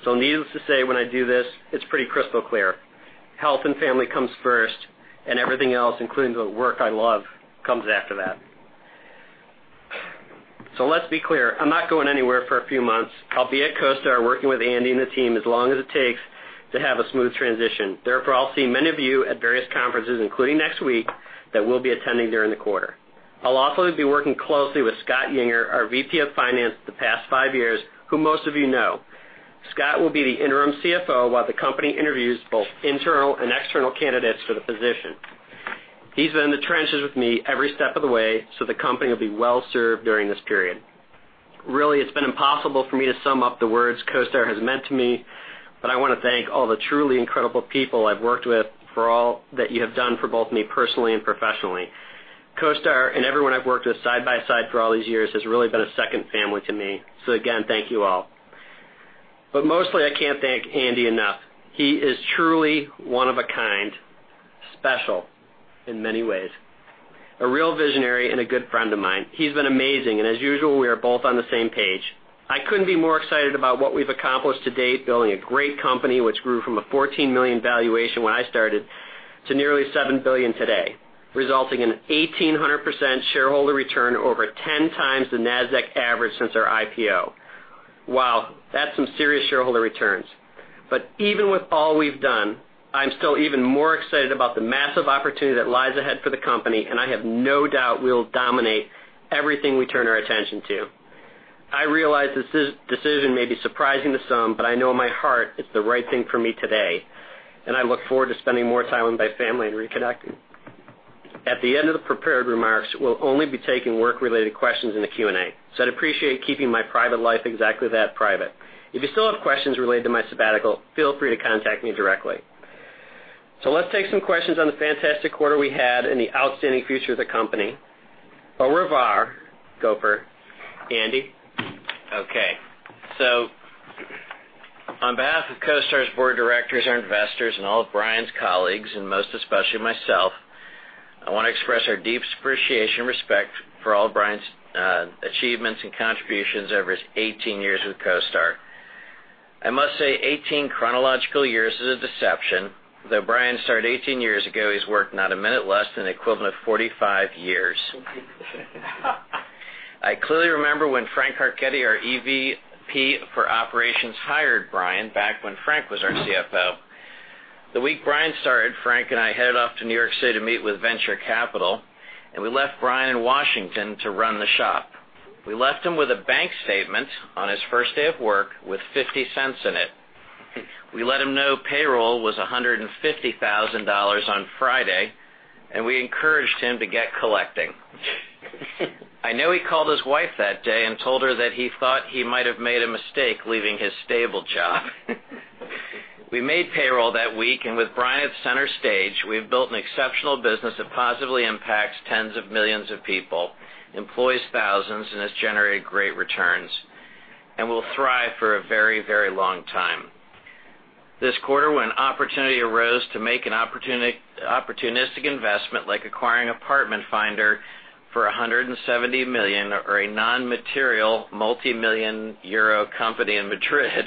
Needless to say, when I do this, it's pretty crystal clear. Health and family comes first, and everything else, including the work I love, comes after that. Let's be clear, I'm not going anywhere for a few months. I'll be at CoStar working with Andy and the team as long as it takes to have a smooth transition. Therefore, I'll see many of you at various conferences, including next week, that we'll be attending during the quarter. I'll also be working closely with Scott Yinger, our VP of Finance for the past five years, who most of you know. Scott will be the interim CFO while the company interviews both internal and external candidates for the position. He's been in the trenches with me every step of the way, so the company will be well-served during this period. Really, it's been impossible for me to sum up the words CoStar has meant to me, but I want to thank all the truly incredible people I've worked with for all that you have done for both me personally and professionally. CoStar and everyone I've worked with side by side for all these years has really been a second family to me. Again, thank you all. Mostly, I can't thank Andy enough. He is truly one of a kind. Special in many ways. A real visionary and a good friend of mine. He's been amazing, and as usual, we are both on the same page. I couldn't be more excited about what we've accomplished to date, building a great company, which grew from a $14 million valuation when I started to nearly $7 billion today, resulting in an 1,800% shareholder return over 10 times the NASDAQ average since our IPO. Wow, that's some serious shareholder returns. Even with all we've done, I'm still even more excited about the massive opportunity that lies ahead for the company, and I have no doubt we'll dominate everything we turn our attention to. I realize this decision may be surprising to some, but I know in my heart it's the right thing for me today, and I look forward to spending more time with my family and reconnecting. At the end of the prepared remarks, we'll only be taking work-related questions in the Q&A. I'd appreciate keeping my private life exactly that, private. If you still have questions related to my sabbatical, feel free to contact me directly. Let's take some questions on the fantastic quarter we had and the outstanding future of the company. Au revoir, Gopher. Andy? Okay. On behalf of CoStar's board of directors, our investors, and all of Brian's colleagues, and most especially myself, I want to express our deep appreciation and respect for all of Brian's achievements and contributions over his 18 years with CoStar. I must say 18 chronological years is a deception. Though Brian started 18 years ago, he's worked not a minute less than the equivalent of 45 years. I clearly remember when Frank Carchedi, our EVP for Operations, hired Brian back when Frank was our CFO. The week Brian started, Frank and I headed off to New York City to meet with Venture Capital, and we left Brian in Washington to run the shop. We left him with a bank statement on his first day of work with $0.50 in it. We let him know payroll was $150,000 on Friday, and we encouraged him to get collecting. I know he called his wife that day and told her that he thought he might have made a mistake leaving his stable job. We made payroll that week, with Brian center stage, we've built an exceptional business that positively impacts tens of millions of people, employs thousands, has generated great returns, and will thrive for a very, very long time. This quarter, when an opportunity arose to make an opportunistic investment like acquiring Apartment Finder for $170 million or a non-material multimillion EUR company in Madrid,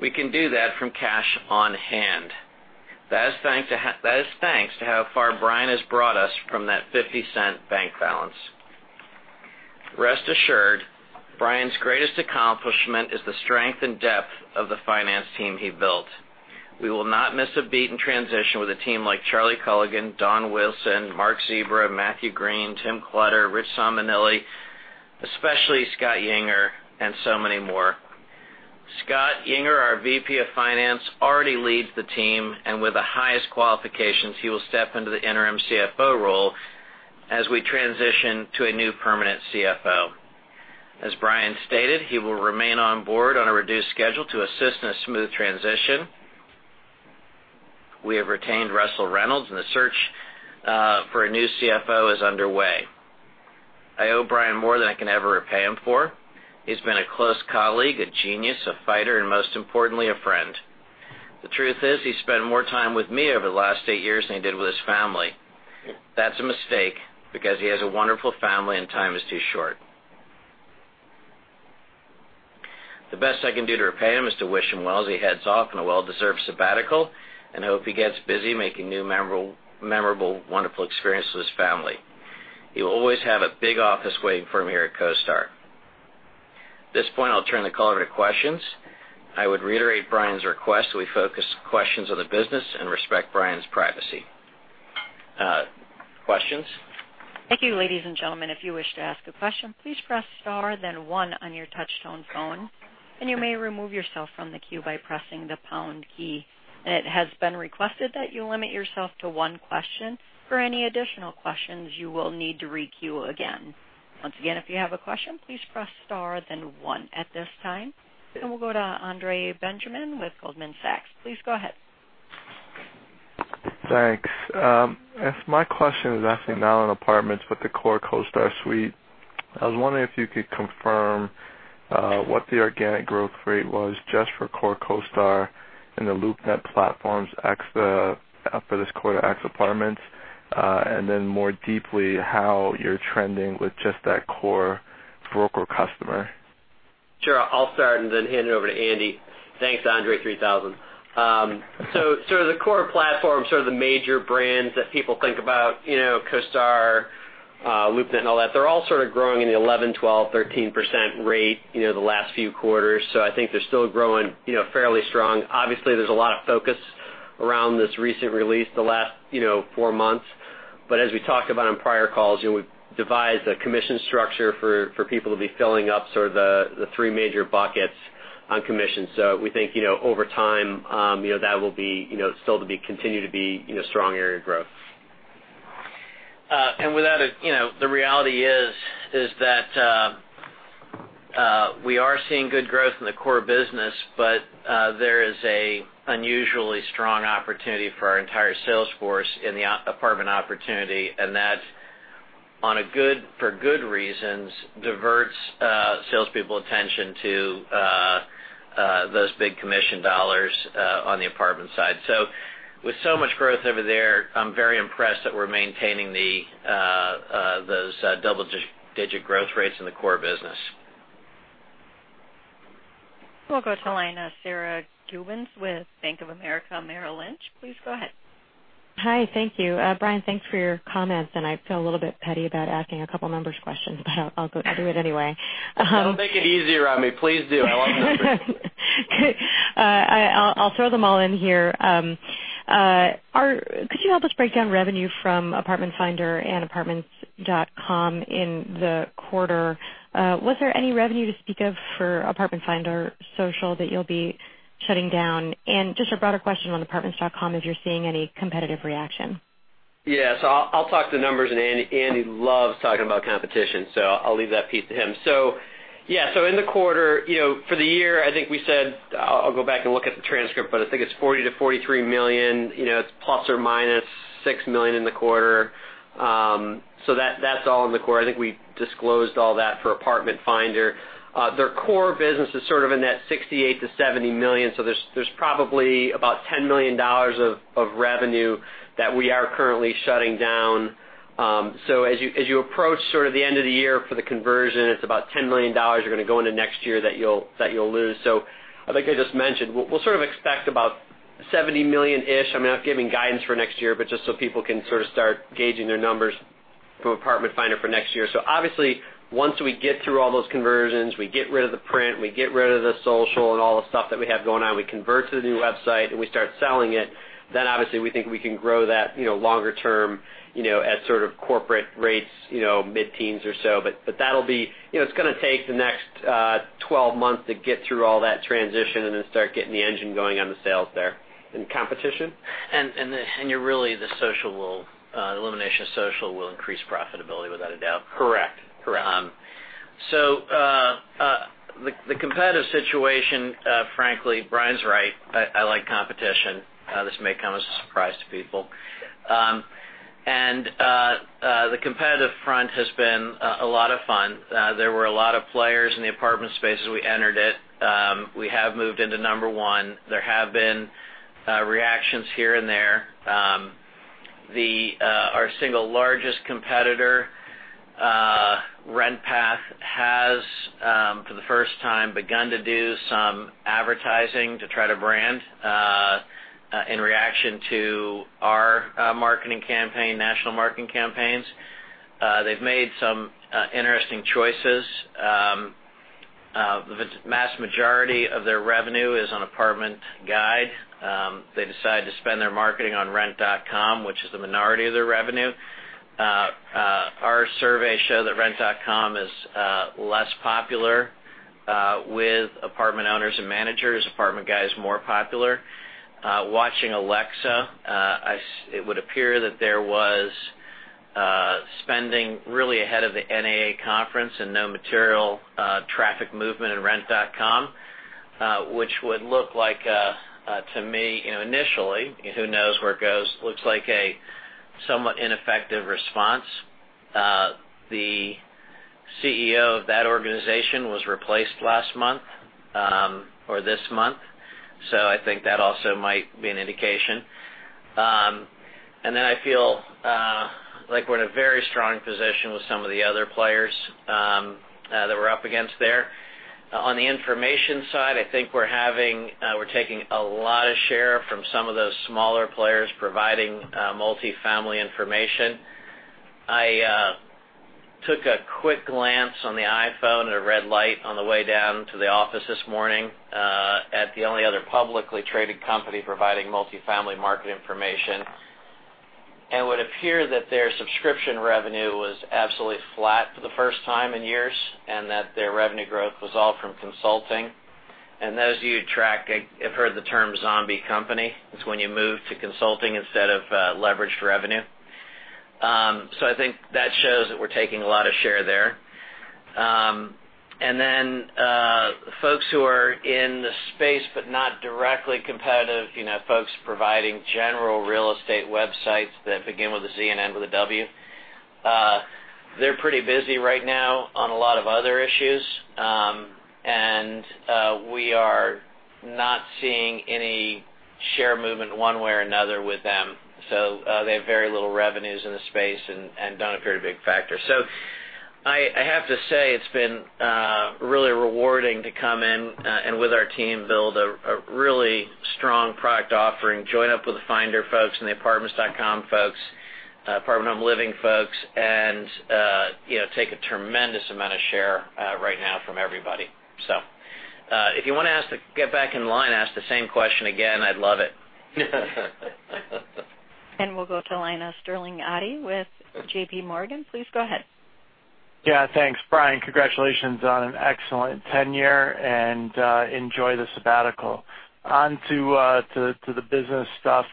we can do that from cash on hand. That is thanks to how far Brian has brought us from that $0.50 bank balance. Rest assured, Brian's greatest accomplishment is the strength and depth of the finance team he built. We will not miss a beat in transition with a team like Charlie Culligan, Don Wilson, Mark Zebra, Matthew Green, Tim Clutter, Rich Simonelli, especially Scott Yinger, and so many more. Scott Yinger, our VP of Finance, already leads the team, with the highest qualifications, he will step into the interim CFO role as we transition to a new permanent CFO. As Brian stated, he will remain on board on a reduced schedule to assist in a smooth transition. We have retained Russell Reynolds and the search for a new CFO is underway. I owe Brian more than I can ever repay him for. He's been a close colleague, a genius, a fighter, and most importantly, a friend. The truth is, he spent more time with me over the last eight years than he did with his family. That's a mistake because he has a wonderful family and time is too short. The best I can do to repay him is to wish him well as he heads off on a well-deserved sabbatical, and I hope he gets busy making new memorable, wonderful experiences with his family. He will always have a big office waiting for him here at CoStar. At this point, I'll turn the call over to questions. I would reiterate Brian's request that we focus questions on the business and respect Brian's privacy. Questions? Thank you, ladies and gentlemen. If you wish to ask a question, please press star then one on your touch-tone phone, and you may remove yourself from the queue by pressing the pound key. It has been requested that you limit yourself to one question. For any additional questions, you will need to re-queue again. Once again, if you have a question, please press star then one at this time. We'll go to Andre Benjamin with Goldman Sachs. Please go ahead. Thanks. My question is actually not on apartments, but the core CoStar suite. I was wondering if you could confirm what the organic growth rate was just for core CoStar in the LoopNet platforms for this quarter ex apartments, and then more deeply, how you're trending with just that core broker customer. Sure. I'll start and then hand it over to Andy. Thanks, Andre 3000. The core platform, sort of the major brands that people think about, CoStar, LoopNet, and all that, they're all sort of growing in the 11%, 12%, 13% rate the last few quarters. As we talked about on prior calls, we've devised a commission structure for people to be filling up sort of the three major buckets on commissions. We think over time, that will still continue to be a strong area of growth. The reality is that we are seeing good growth in the core business, but there is an unusually strong opportunity for our entire sales force in the apartment opportunity, and that's For good reasons, diverts salespeople attention to those big commission dollars on the apartment side. With so much growth over there, I'm very impressed that we're maintaining those double-digit growth rates in the core business. We'll go to the line of Sara Gubins with Bank of America Merrill Lynch. Please go ahead. Hi. Thank you. Brian, thanks for your comments. I feel a little bit petty about asking a couple numbers questions. I'll do it anyway. Don't make it easy on me. Please do. I love numbers. I'll throw them all in here. Could you help us break down revenue from Apartment Finder and Apartments.com in the quarter? Was there any revenue to speak of for Finder Social that you'll be shutting down? A broader question on Apartments.com, if you're seeing any competitive reaction. Yeah. I'll talk to the numbers, Andy loves talking about competition, I'll leave that piece to him. In the quarter, for the year, I think we said I'll go back and look at the transcript, but I think it's $40 million-$43 million. It's ±$6 million in the quarter. That's all in the quarter. I think we disclosed all that for Apartment Finder. Their core business is sort of in that $68 million-$70 million, there's probably about $10 million of revenue that we are currently shutting down. As you approach the end of the year for the conversion, it's about $10 million are going to go into next year that you'll lose. I think I just mentioned, we'll sort of expect about $70 million-ish. I'm not giving guidance for next year, but just so people can start gauging their numbers for Apartment Finder for next year. Obviously, once we get through all those conversions, we get rid of the print, we get rid of the Finder Social and all the stuff that we have going on, we convert to the new website, and we start selling it, then obviously we think we can grow that longer term at sort of corporate rates, mid-teens or so. It's going to take the next 12 months to get through all that transition and then start getting the engine going on the sales there. Competition? Really, the elimination of Finder Social will increase profitability, without a doubt. Correct. The competitive situation, frankly, Brian's right. I like competition. This may come as a surprise to people. The competitive front has been a lot of fun. There were a lot of players in the apartment space as we entered it. We have moved into number one. There have been reactions here and there. Our single largest competitor, RentPath, has, for the first time, begun to do some advertising to try to brand in reaction to our marketing campaign, national marketing campaigns. They've made some interesting choices. The vast majority of their revenue is on Apartment Guide. They decided to spend their marketing on rent.com, which is the minority of their revenue. Our surveys show that rent.com is less popular with apartment owners and managers. Apartment Guide is more popular. Watching Alexa, it would appear that there was spending really ahead of the NAA conference and no material traffic movement in rent.com, which would look like to me initially, who knows where it goes, looks like a somewhat ineffective response. The CEO of that organization was replaced last month, or this month. I think that also might be an indication. I feel like we're in a very strong position with some of the other players that we're up against there. On the information side, I think we're taking a lot of share from some of those smaller players providing multifamily information. I took a quick glance on the iPhone at a red light on the way down to the office this morning at the only other publicly-traded company providing multifamily market information. It would appear that their subscription revenue was absolutely flat for the first time in years, that their revenue growth was all from consulting. Those of you who track have heard the term zombie company. It's when you move to consulting instead of leveraged revenue. I think that shows that we're taking a lot of share there. Folks who are in the space but not directly competitive, folks providing general real estate websites that begin with a Z and end with a W, they're pretty busy right now on a lot of other issues. We are not seeing any share movement one way or another with them. They have very little revenues in the space and don't appear to be a factor. I have to say, it's been really rewarding to come in, and with our team, build a really strong product offering, join up with the Finder folks and the apartments.com folks, Apartment Home Living folks, take a tremendous amount of share right now from everybody. If you want to get back in line and ask the same question again, I'd love it. We'll go to the line of Sterling Auty with J.P. Morgan. Please go ahead. Yeah. Thanks. Brian, congratulations on an excellent tenure, and enjoy the sabbatical. On to the business stuff.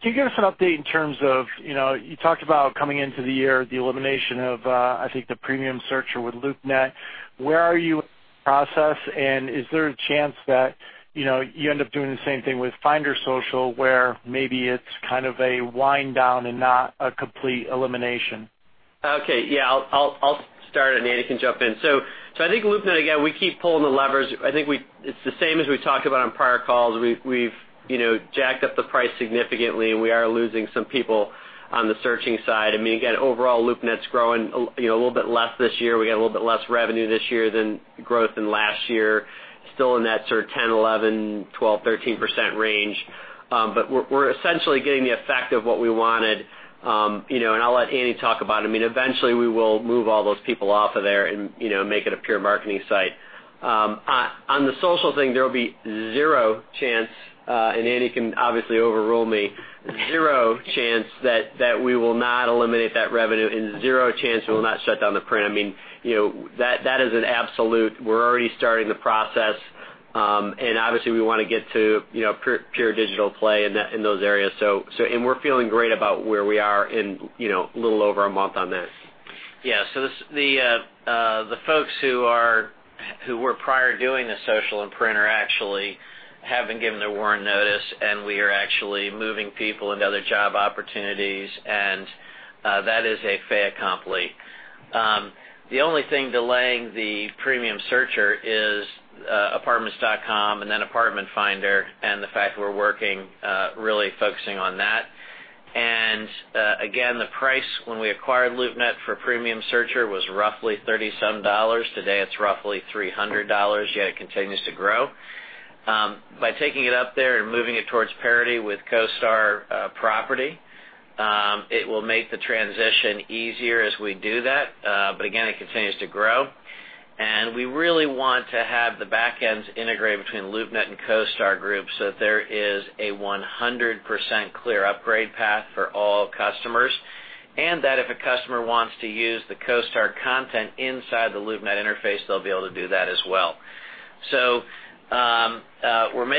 Can you give us an update in terms of, you talked about coming into the year, the elimination of, I think, the Premium Searcher with LoopNet. Where are you in the process, and is there a chance that you end up doing the same thing with Finder Social, where maybe it's kind of a wind down and not a complete elimination? Yeah, I'll start and Andy can jump in. I think LoopNet, again, we keep pulling the levers. I think it's the same as we talked about on prior calls. We've jacked up the price significantly, and we are losing some people on the searching side. Again, overall, LoopNet's growing a little bit less this year. We got a little bit less revenue this year than growth in last year. Still in that sort of 10%, 11%, 12%, 13% range. We're essentially getting the effect of what we wanted. I'll let Andy talk about it. Eventually we will move all those people off of there and make it a pure marketing site. On the social thing, there will be zero chance, and Andy can obviously overrule me, zero chance that we will not eliminate that revenue and zero chance we will not shut down the print. That is an absolute. We're already starting the process. Obviously, we want to get to pure digital play in those areas. We're feeling great about where we are in a little over a month on this. Yeah. The folks who were prior doing the social and Finder actually have been given their WARN notice, and we are actually moving people into other job opportunities, and that is a fait accompli. The only thing delaying the Premium Searcher is apartments.com and then Apartment Finder and the fact we're working, really focusing on that. Again, the price when we acquired LoopNet for Premium Searcher was roughly $37. Today it's roughly $300, yet it continues to grow. By taking it up there and moving it towards parity with CoStar Property, it will make the transition easier as we do that. Again, it continues to grow. We really want to have the back ends integrated between LoopNet and CoStar Group so that there is a 100% clear upgrade path for all customers, and that if a customer wants to use the CoStar content inside the LoopNet interface, they'll be able to do that as well. We'll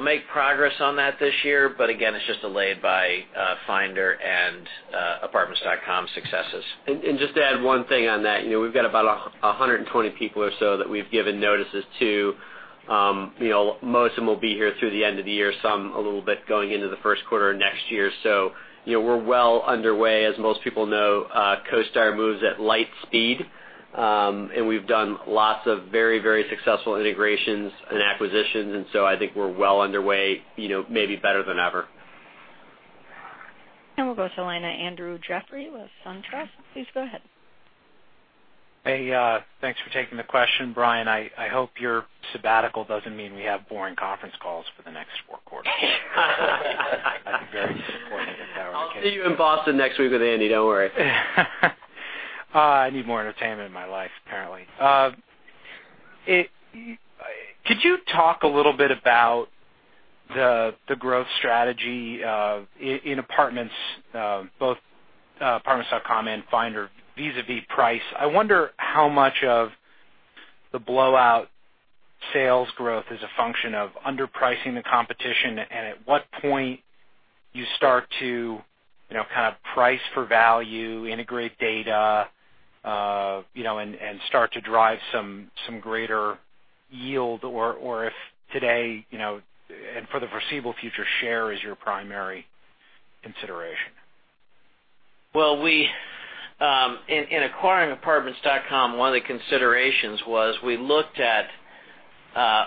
make progress on that this year, but again, it's just delayed by Finder and apartments.com successes. Just to add one thing on that, we've got about 120 people or so that we've given notices to. Most of them will be here through the end of the year, some a little bit going into the first quarter of next year. We're well underway. As most people know, CoStar moves at light speed. We've done lots of very successful integrations and acquisitions, I think we're well underway, maybe better than ever. We'll go to the line of Andrew Jeffrey with SunTrust. Please go ahead. Hey, thanks for taking the question. Brian, I hope your sabbatical doesn't mean we have boring conference calls for the next four quarters. That's very important if that were the case. I'll see you in Boston next week with Andy. Don't worry. I need more entertainment in my life, apparently. Could you talk a little bit about the growth strategy in apartments, both Apartments.com and Apartment Finder vis-a-vis price? I wonder how much of the blowout sales growth is a function of underpricing the competition, and at what point you start to kind of price for value, integrate data, and start to drive some greater yield, or if today, and for the foreseeable future, share is your primary consideration. In acquiring Apartments.com, one of the considerations was we looked at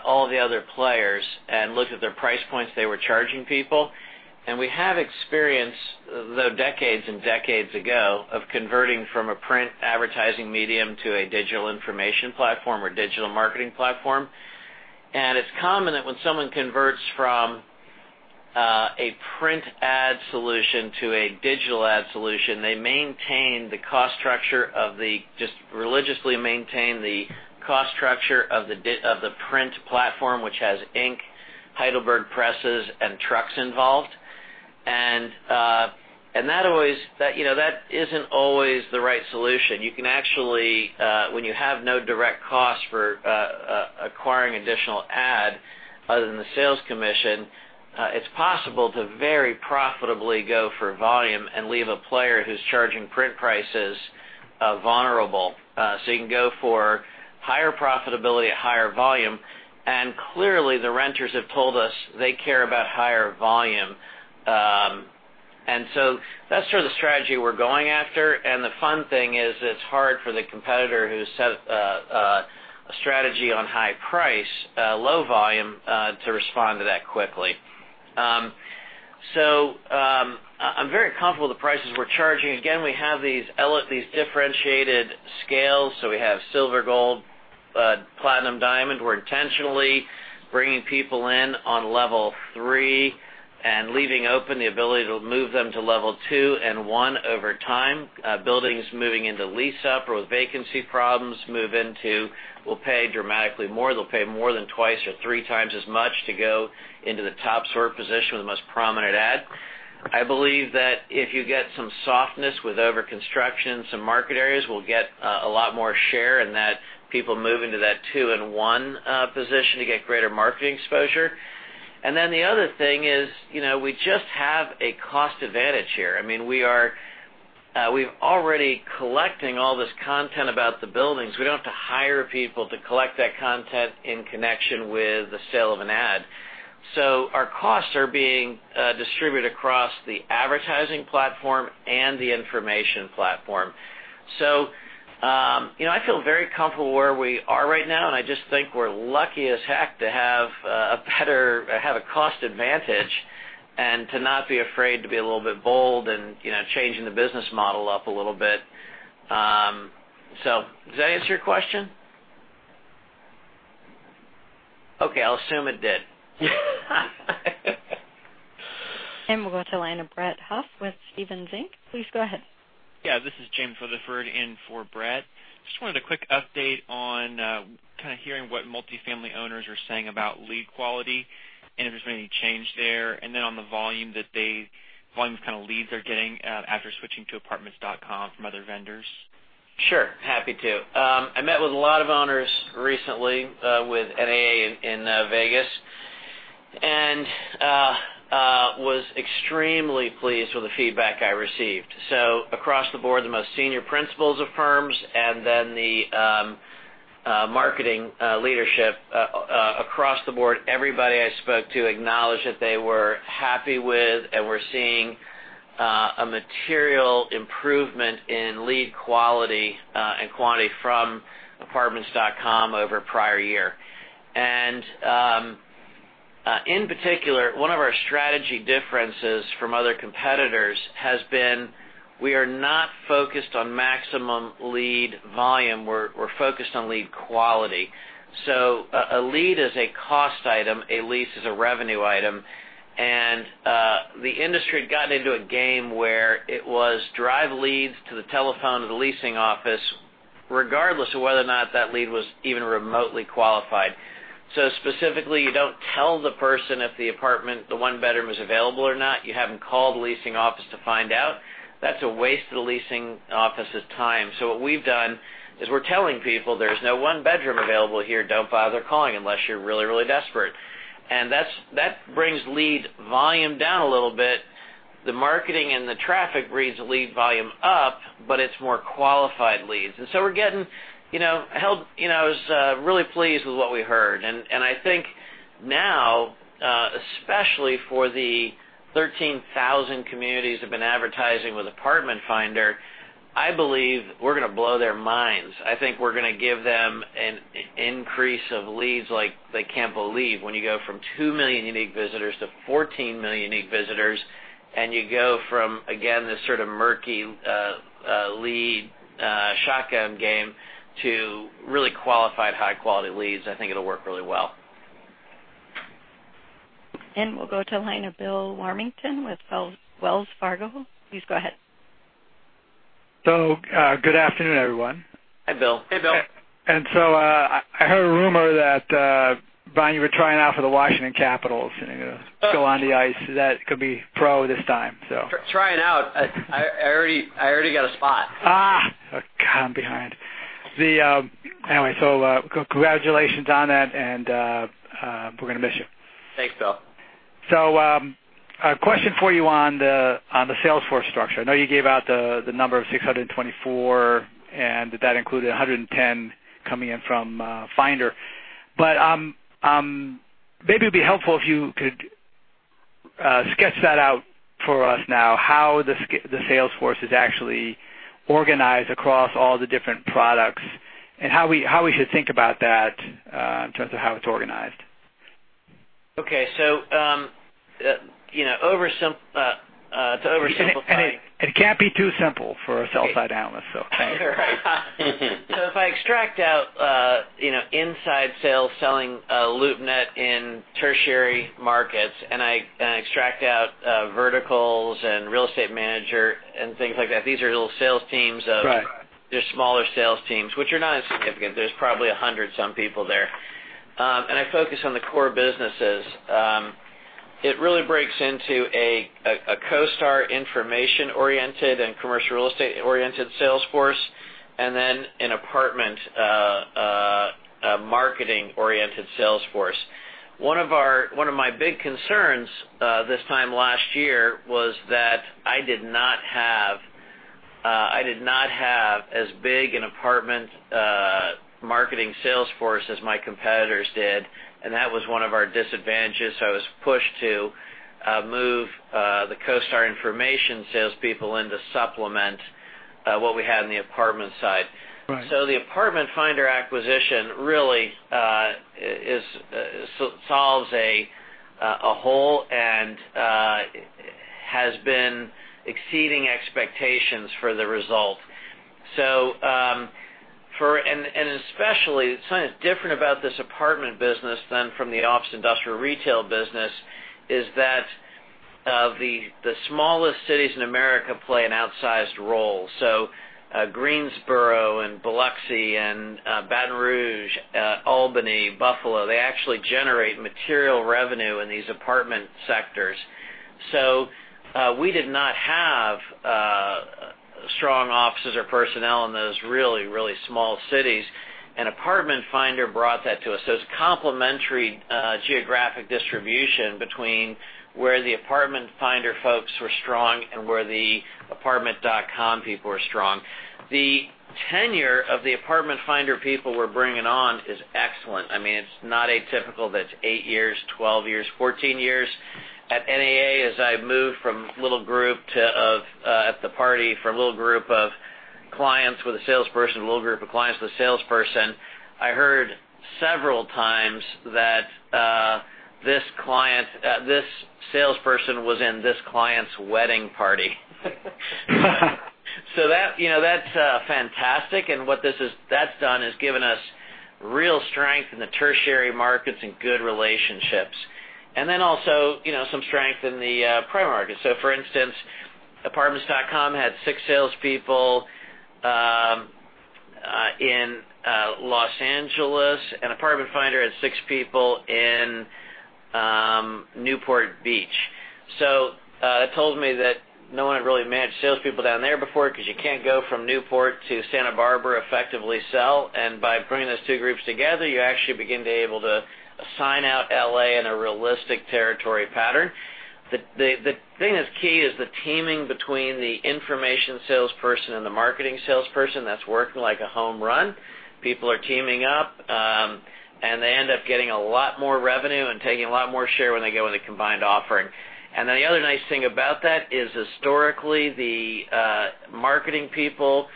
all the other players and looked at their price points they were charging people. We have experience, though decades and decades ago, of converting from a print advertising medium to a digital information platform or digital marketing platform. It's common that when someone converts from a print ad solution to a digital ad solution, they just religiously maintain the cost structure of the print platform, which has ink, Heidelberg presses, and trucks involved. That isn't always the right solution. When you have no direct cost for acquiring additional ad other than the sales commission, it's possible to very profitably go for volume and leave a player who's charging print prices vulnerable. You can go for higher profitability at higher volume. Clearly, the renters have told us they care about higher volume. That's sort of the strategy we're going after. The fun thing is it's hard for the competitor who set a strategy on high price, low volume, to respond to that quickly. I'm very comfortable with the prices we're charging. Again, we have these differentiated scales. We have silver, gold, platinum, diamond. We're intentionally bringing people in on level 3 and leaving open the ability to move them to level 2 and 1 over time. Buildings moving into lease up or with vacancy problems move into, will pay dramatically more. They'll pay more than twice or three times as much to go into the top sort position with the most prominent ad. I believe that if you get some softness with overconstruction, some market areas will get a lot more share and that people move into that 2 and 1 position to get greater marketing exposure. The other thing is, we just have a cost advantage here. We're already collecting all this content about the buildings. We don't have to hire people to collect that content in connection with the sale of an ad. Our costs are being distributed across the advertising platform and the information platform. I feel very comfortable where we are right now, and I just think we're lucky as heck to have a cost advantage and to not be afraid to be a little bit bold in changing the business model up a little bit. Does that answer your question? Okay, I'll assume it did. We'll go to line of Brett Huff with Stephens Inc. Please go ahead. This is James Weaver in for Brett. Just wanted a quick update on kind of hearing what multifamily owners are saying about lead quality, and if there's been any change there. Then on the volume of kind of leads they're getting after switching to apartments.com from other vendors. Sure. Happy to. I met with a lot of owners recently with NAA in Vegas, and was extremely pleased with the feedback I received. Across the board, the most senior principals of firms and then the marketing leadership, across the board, everybody I spoke to acknowledged that they were happy with and were seeing a material improvement in lead quality and quantity from apartments.com over prior year. In particular, one of our strategy differences from other competitors has been, we are not focused on maximum lead volume. We're focused on lead quality. A lead is a cost item, a lease is a revenue item. The industry had gotten into a game where it was drive leads to the telephone of the leasing office, regardless of whether or not that lead was even remotely qualified. Specifically, you don't tell the person if the apartment, the one bedroom is available or not. You have them call the leasing office to find out. That's a waste of the leasing office's time. What we've done is we're telling people there's no one bedroom available here, don't bother calling unless you're really desperate. That brings lead volume down a little bit. The marketing and the traffic brings the lead volume up, but it's more qualified leads. I was really pleased with what we heard. I think now, especially for the 13,000 communities that have been advertising with Apartment Finder, I believe we're going to blow their minds. I think we're going to give them an increase of leads like they can't believe, when you go from 2 million unique visitors to 14 million unique visitors, you go from, again, this sort of murky lead shotgun game to really qualified, high-quality leads. I think it'll work really well. We'll go to line of Bill Warmington with Wells Fargo. Please go ahead. Good afternoon, everyone. Hi, Bill. Hey, Bill. I heard a rumor that, Brian, you were trying out for the Washington Capitals, and you're going to go on the ice, that could be pro this time. Trying out? I already got a spot. God, I'm behind. Anyway, congratulations on that and we're going to miss you. Thanks, Bill. A question for you on the Salesforce structure. I know you gave out the number of 624, and that included 110 coming in from Finder. Maybe it'd be helpful if you could sketch that out for us now, how the Salesforce is actually organized across all the different products, and how we should think about that in terms of how it's organized. Okay. To oversimplify. It can't be too simple for a sell-side analyst, thanks. If I extract out inside sales selling LoopNet in tertiary markets, I extract out verticals and CoStar Real Estate Manager and things like that, these are little sales teams of Right They're smaller sales teams, which are not insignificant. There's probably 100-some people there. I focus on the core businesses. It really breaks into a CoStar information-oriented and commercial real estate-oriented sales force, then an apartment marketing-oriented sales force. One of my big concerns this time last year was that I did not have as big an apartment marketing sales force as my competitors did, that was one of our disadvantages. I was pushed to move the CoStar information salespeople in to supplement what we had in the apartment side. Right. The Apartment Finder acquisition really solves a hole and has been exceeding expectations for the result. Especially, something that is different about this apartment business than from the office industrial retail business is that the smallest cities in America play an outsized role. Greensboro and Biloxi and Baton Rouge, Albany, Buffalo, they actually generate material revenue in these apartment sectors. We did not have strong offices or personnel in those really small cities, and Apartment Finder brought that to us. It is complementary geographic distribution between where the Apartment Finder folks were strong and where the Apartments.com people are strong. The tenure of the Apartment Finder people we are bringing on is excellent. It is not atypical that it is 8 years, 12 years, 14 years. At NAA, as I have moved from little group to at the party for a little group of clients with a salesperson, a little group of clients with a salesperson. I heard several times that this salesperson was in this client's wedding party. That is fantastic. What that has done is given us real strength in the tertiary markets and good relationships. Then also some strength in the primary market. For instance, Apartments.com had six salespeople in Los Angeles, and Apartment Finder had six people in Newport Beach. It told me that no one had really managed salespeople down there before, because you cannot go from Newport to Santa Barbara effectively sell. By bringing those two groups together, you actually begin to be able to assign out L.A. in a realistic territory pattern. The thing that is key is the teaming between the information salesperson and the marketing salesperson that is working like a home run. People are teaming up, and they end up getting a lot more revenue and taking a lot more share when they go with a combined offering. Then the other nice thing about that is historically, the marketing people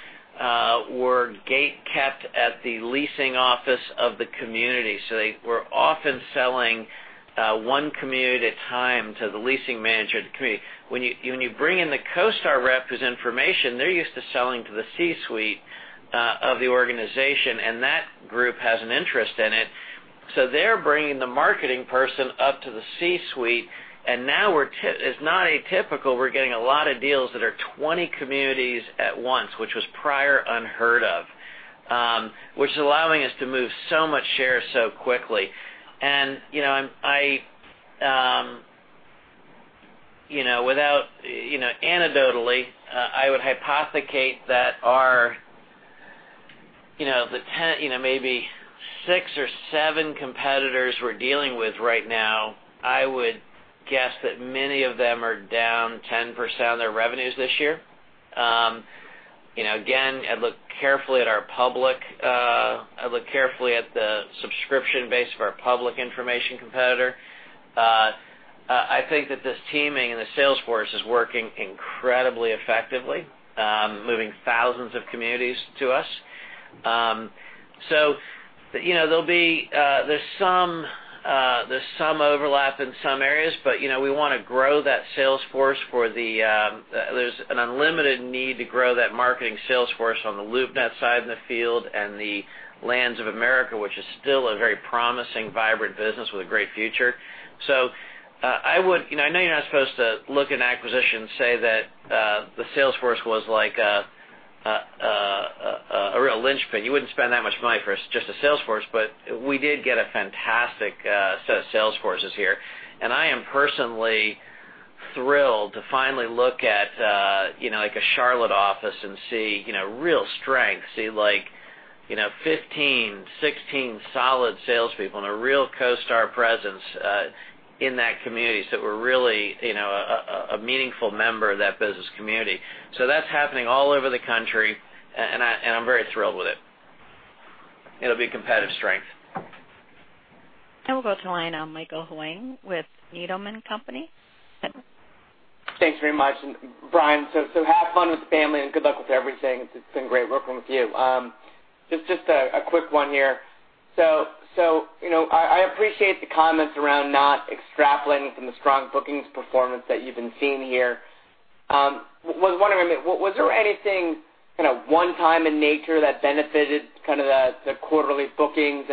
were gate kept at the leasing office of the community. They were often selling one community at a time to the leasing manager of the community. When you bring in the CoStar rep who is information, they are used to selling to the C-suite of the organization, and that group has an interest in it. They are bringing the marketing person up to the C-suite, and now it is not atypical, we are getting a lot of deals that are 20 communities at once, which was prior unheard of, which is allowing us to move so much share so quickly. Anecdotally, I would hypothecate that maybe six or seven competitors we are dealing with right now, I would guess that many of them are down 10% of their revenues this year. Again, I would look carefully at the subscription base of our public information competitor. I think that this teaming and the sales force is working incredibly effectively, moving thousands of communities to us. There's some overlap in some areas, we want to grow that sales force. There's an unlimited need to grow that marketing sales force on the LoopNet side in the field and the Lands of America, which is still a very promising, vibrant business with a great future. I know you're not supposed to look in acquisitions and say that the sales force was like a real linchpin. You wouldn't spend that much money for just a sales force, but we did get a fantastic set of sales forces here. And I am personally thrilled to finally look at like a Charlotte office and see real strength, see 15, 16 solid salespeople and a real CoStar presence in that community. We're really a meaningful member of that business community. That's happening all over the country, and I'm very thrilled with it. It'll be competitive strength. We'll go to line of Michael Huang with Needham & Company. Thanks very much. Brian, have fun with the family and good luck with everything. It's been great working with you. Just a quick one here. I appreciate the comments around not extrapolating from the strong bookings performance that you've been seeing here. Was wondering, was there anything one-time in nature that benefited the quarterly bookings?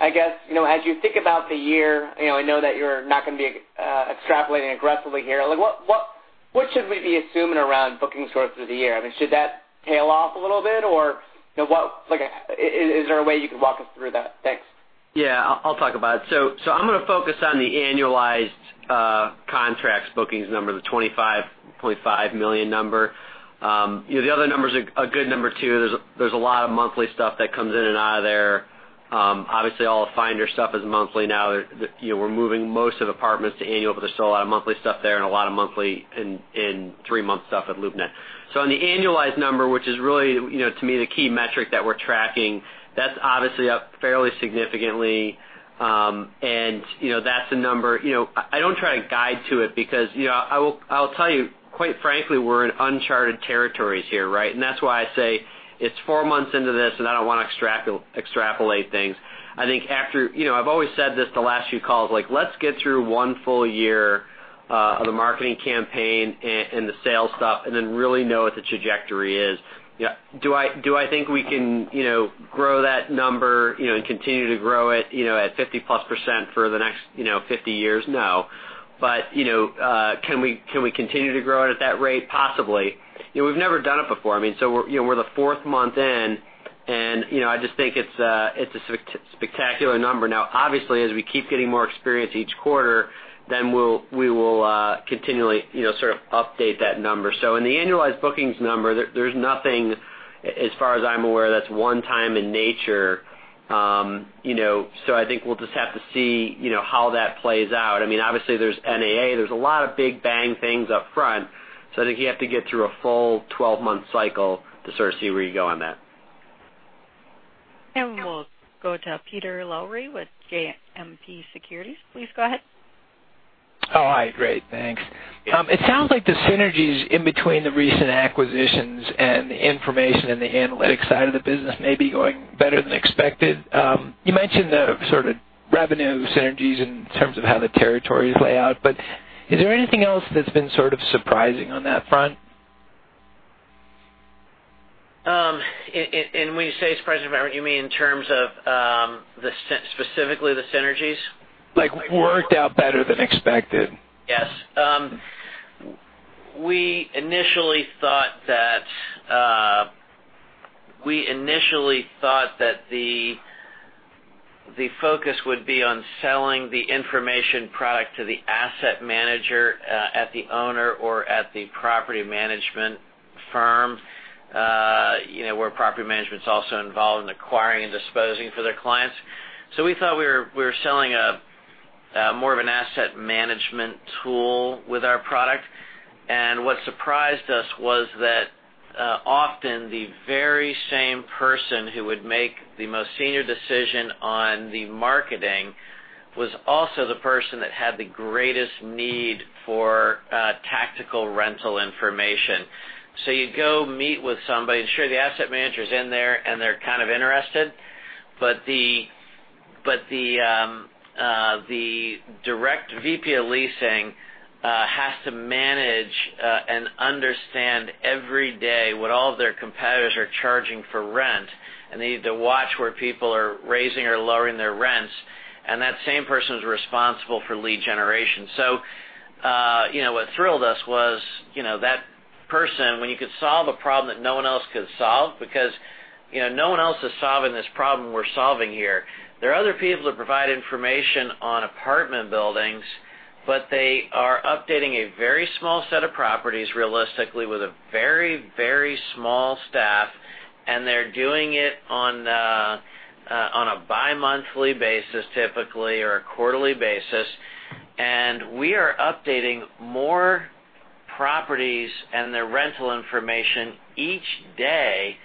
I guess, as you think about the year, I know that you're not going to be extrapolating aggressively here. What should we be assuming around bookings growth through the year? I mean, should that tail off a little bit, or is there a way you could walk us through that? Thanks. Yeah, I'll talk about it. I'm going to focus on the annualized contracts bookings, the $25.5 million. The other number's a good number, too. There's a lot of monthly stuff that comes in and out of there. Obviously, all the Apartment Finder stuff is monthly now. We're moving most of Apartments.com to annual, but there's still a lot of monthly stuff there and a lot of monthly and three-month stuff at LoopNet. On the annualized number, which is really, to me, the key metric that we're tracking, that's obviously up fairly significantly. That's a number I don't try to guide to it because I'll tell you, quite frankly, we're in uncharted territories here. Right? That's why I say it's four months into this, and I don't want to extrapolate things. I've always said this the last few calls, let's get through one full year of the marketing campaign and the sales stuff and then really know what the trajectory is. Do I think we can grow that number and continue to grow it at 50+% for the next 50 years? No. Can we continue to grow it at that rate? Possibly. We've never done it before. I mean, we're the fourth month in, and I just think it's a spectacular number. Obviously, as we keep getting more experience each quarter, we will continually sort of update that number. In the annualized bookings number, there's nothing, as far as I'm aware, that's one-time in nature. I think we'll just have to see how that plays out. I mean, obviously, there's NAA. There's a lot of big bang things up front, I think you have to get through a full 12-month cycle to sort of see where you go on that. We'll go to Peter Lowry with JMP Securities. Please go ahead. All right, great. Thanks. It sounds like the synergies in between the recent acquisitions and the information in the analytics side of the business may be going better than expected. You mentioned the sort of revenue synergies in terms of how the territories lay out, is there anything else that's been sort of surprising on that front? When you say surprising, you mean in terms of specifically the synergies? Like worked out better than expected. Yes. We initially thought that the focus would be on selling the information product to the asset manager at the owner or at the property management firm, where property management's also involved in acquiring and disposing for their clients. We thought we were selling more of an asset management tool with our product. What surprised us was that often the very same person who would make the most senior decision on the marketing was also the person that had the greatest need for tactical rental information. You go meet with somebody, and sure, the asset manager's in there, and they're kind of interested, but the direct VP of leasing has to manage and understand every day what all of their competitors are charging for rent, and they need to watch where people are raising or lowering their rents, and that same person's responsible for lead generation. What thrilled us was that person, when you could solve a problem that no one else could solve, because no one else is solving this problem we're solving here. There are other people that provide information on apartment buildings, but they are updating a very small set of properties realistically with a very, very small staff, and they're doing it on a bimonthly basis typically or a quarterly basis. We are updating more properties and their rental information each day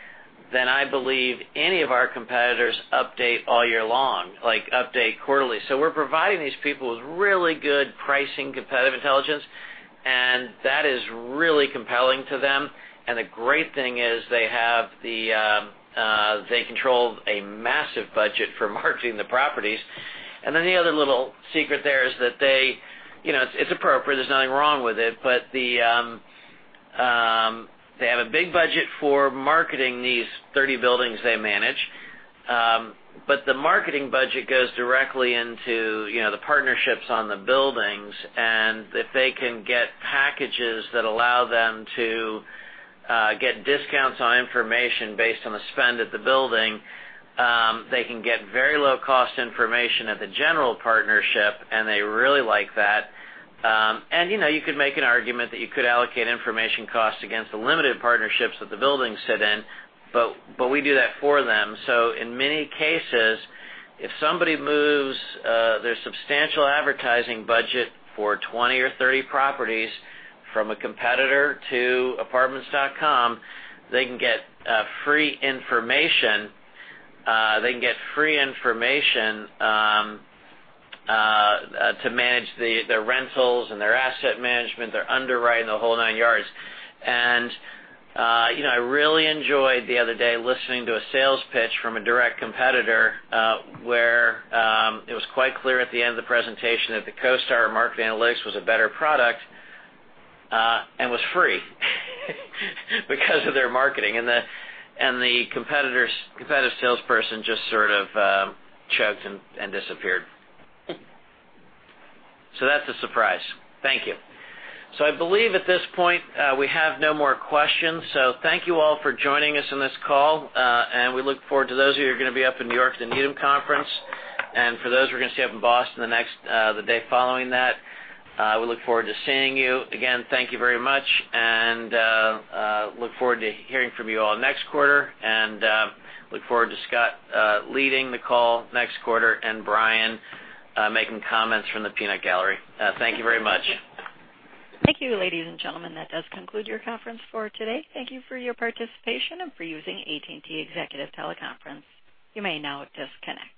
than I believe any of our competitors update all year long, like update quarterly. We're providing these people with really good pricing competitive intelligence, and that is really compelling to them. The great thing is they control a massive budget for marketing the properties. The other little secret there is that it's appropriate, there's nothing wrong with it, but they have a big budget for marketing these 30 buildings they manage. The marketing budget goes directly into the partnerships on the buildings. If they can get packages that allow them to get discounts on information based on the spend at the building, they can get very low-cost information at the general partnership, and they really like that. You could make an argument that you could allocate information costs against the limited partnerships that the buildings sit in, but we do that for them. In many cases, if somebody moves their substantial advertising budget for 22 or 30 properties from a competitor to Apartments.com, they can get free information to manage their rentals and their asset management, their underwriting, the whole 9 yards. I really enjoyed the other day listening to a sales pitch from a direct competitor, where it was quite clear at the end of the presentation that the CoStar Market Analytics was a better product and was free because of their marketing. The competitor's salesperson just sort of choked and disappeared. That's a surprise. Thank you. I believe at this point, we have no more questions. Thank you all for joining us on this call. We look forward to those of you who are going to be up in New York at the Needham Conference. For those we're going to see up in Boston the day following that, we look forward to seeing you. Again, thank you very much, look forward to hearing from you all next quarter, look forward to Scott leading the call next quarter and Brian making comments from the peanut gallery. Thank you very much. Thank you, ladies and gentlemen. That does conclude your conference for today. Thank you for your participation and for using AT&T Executive Teleconference. You may now disconnect.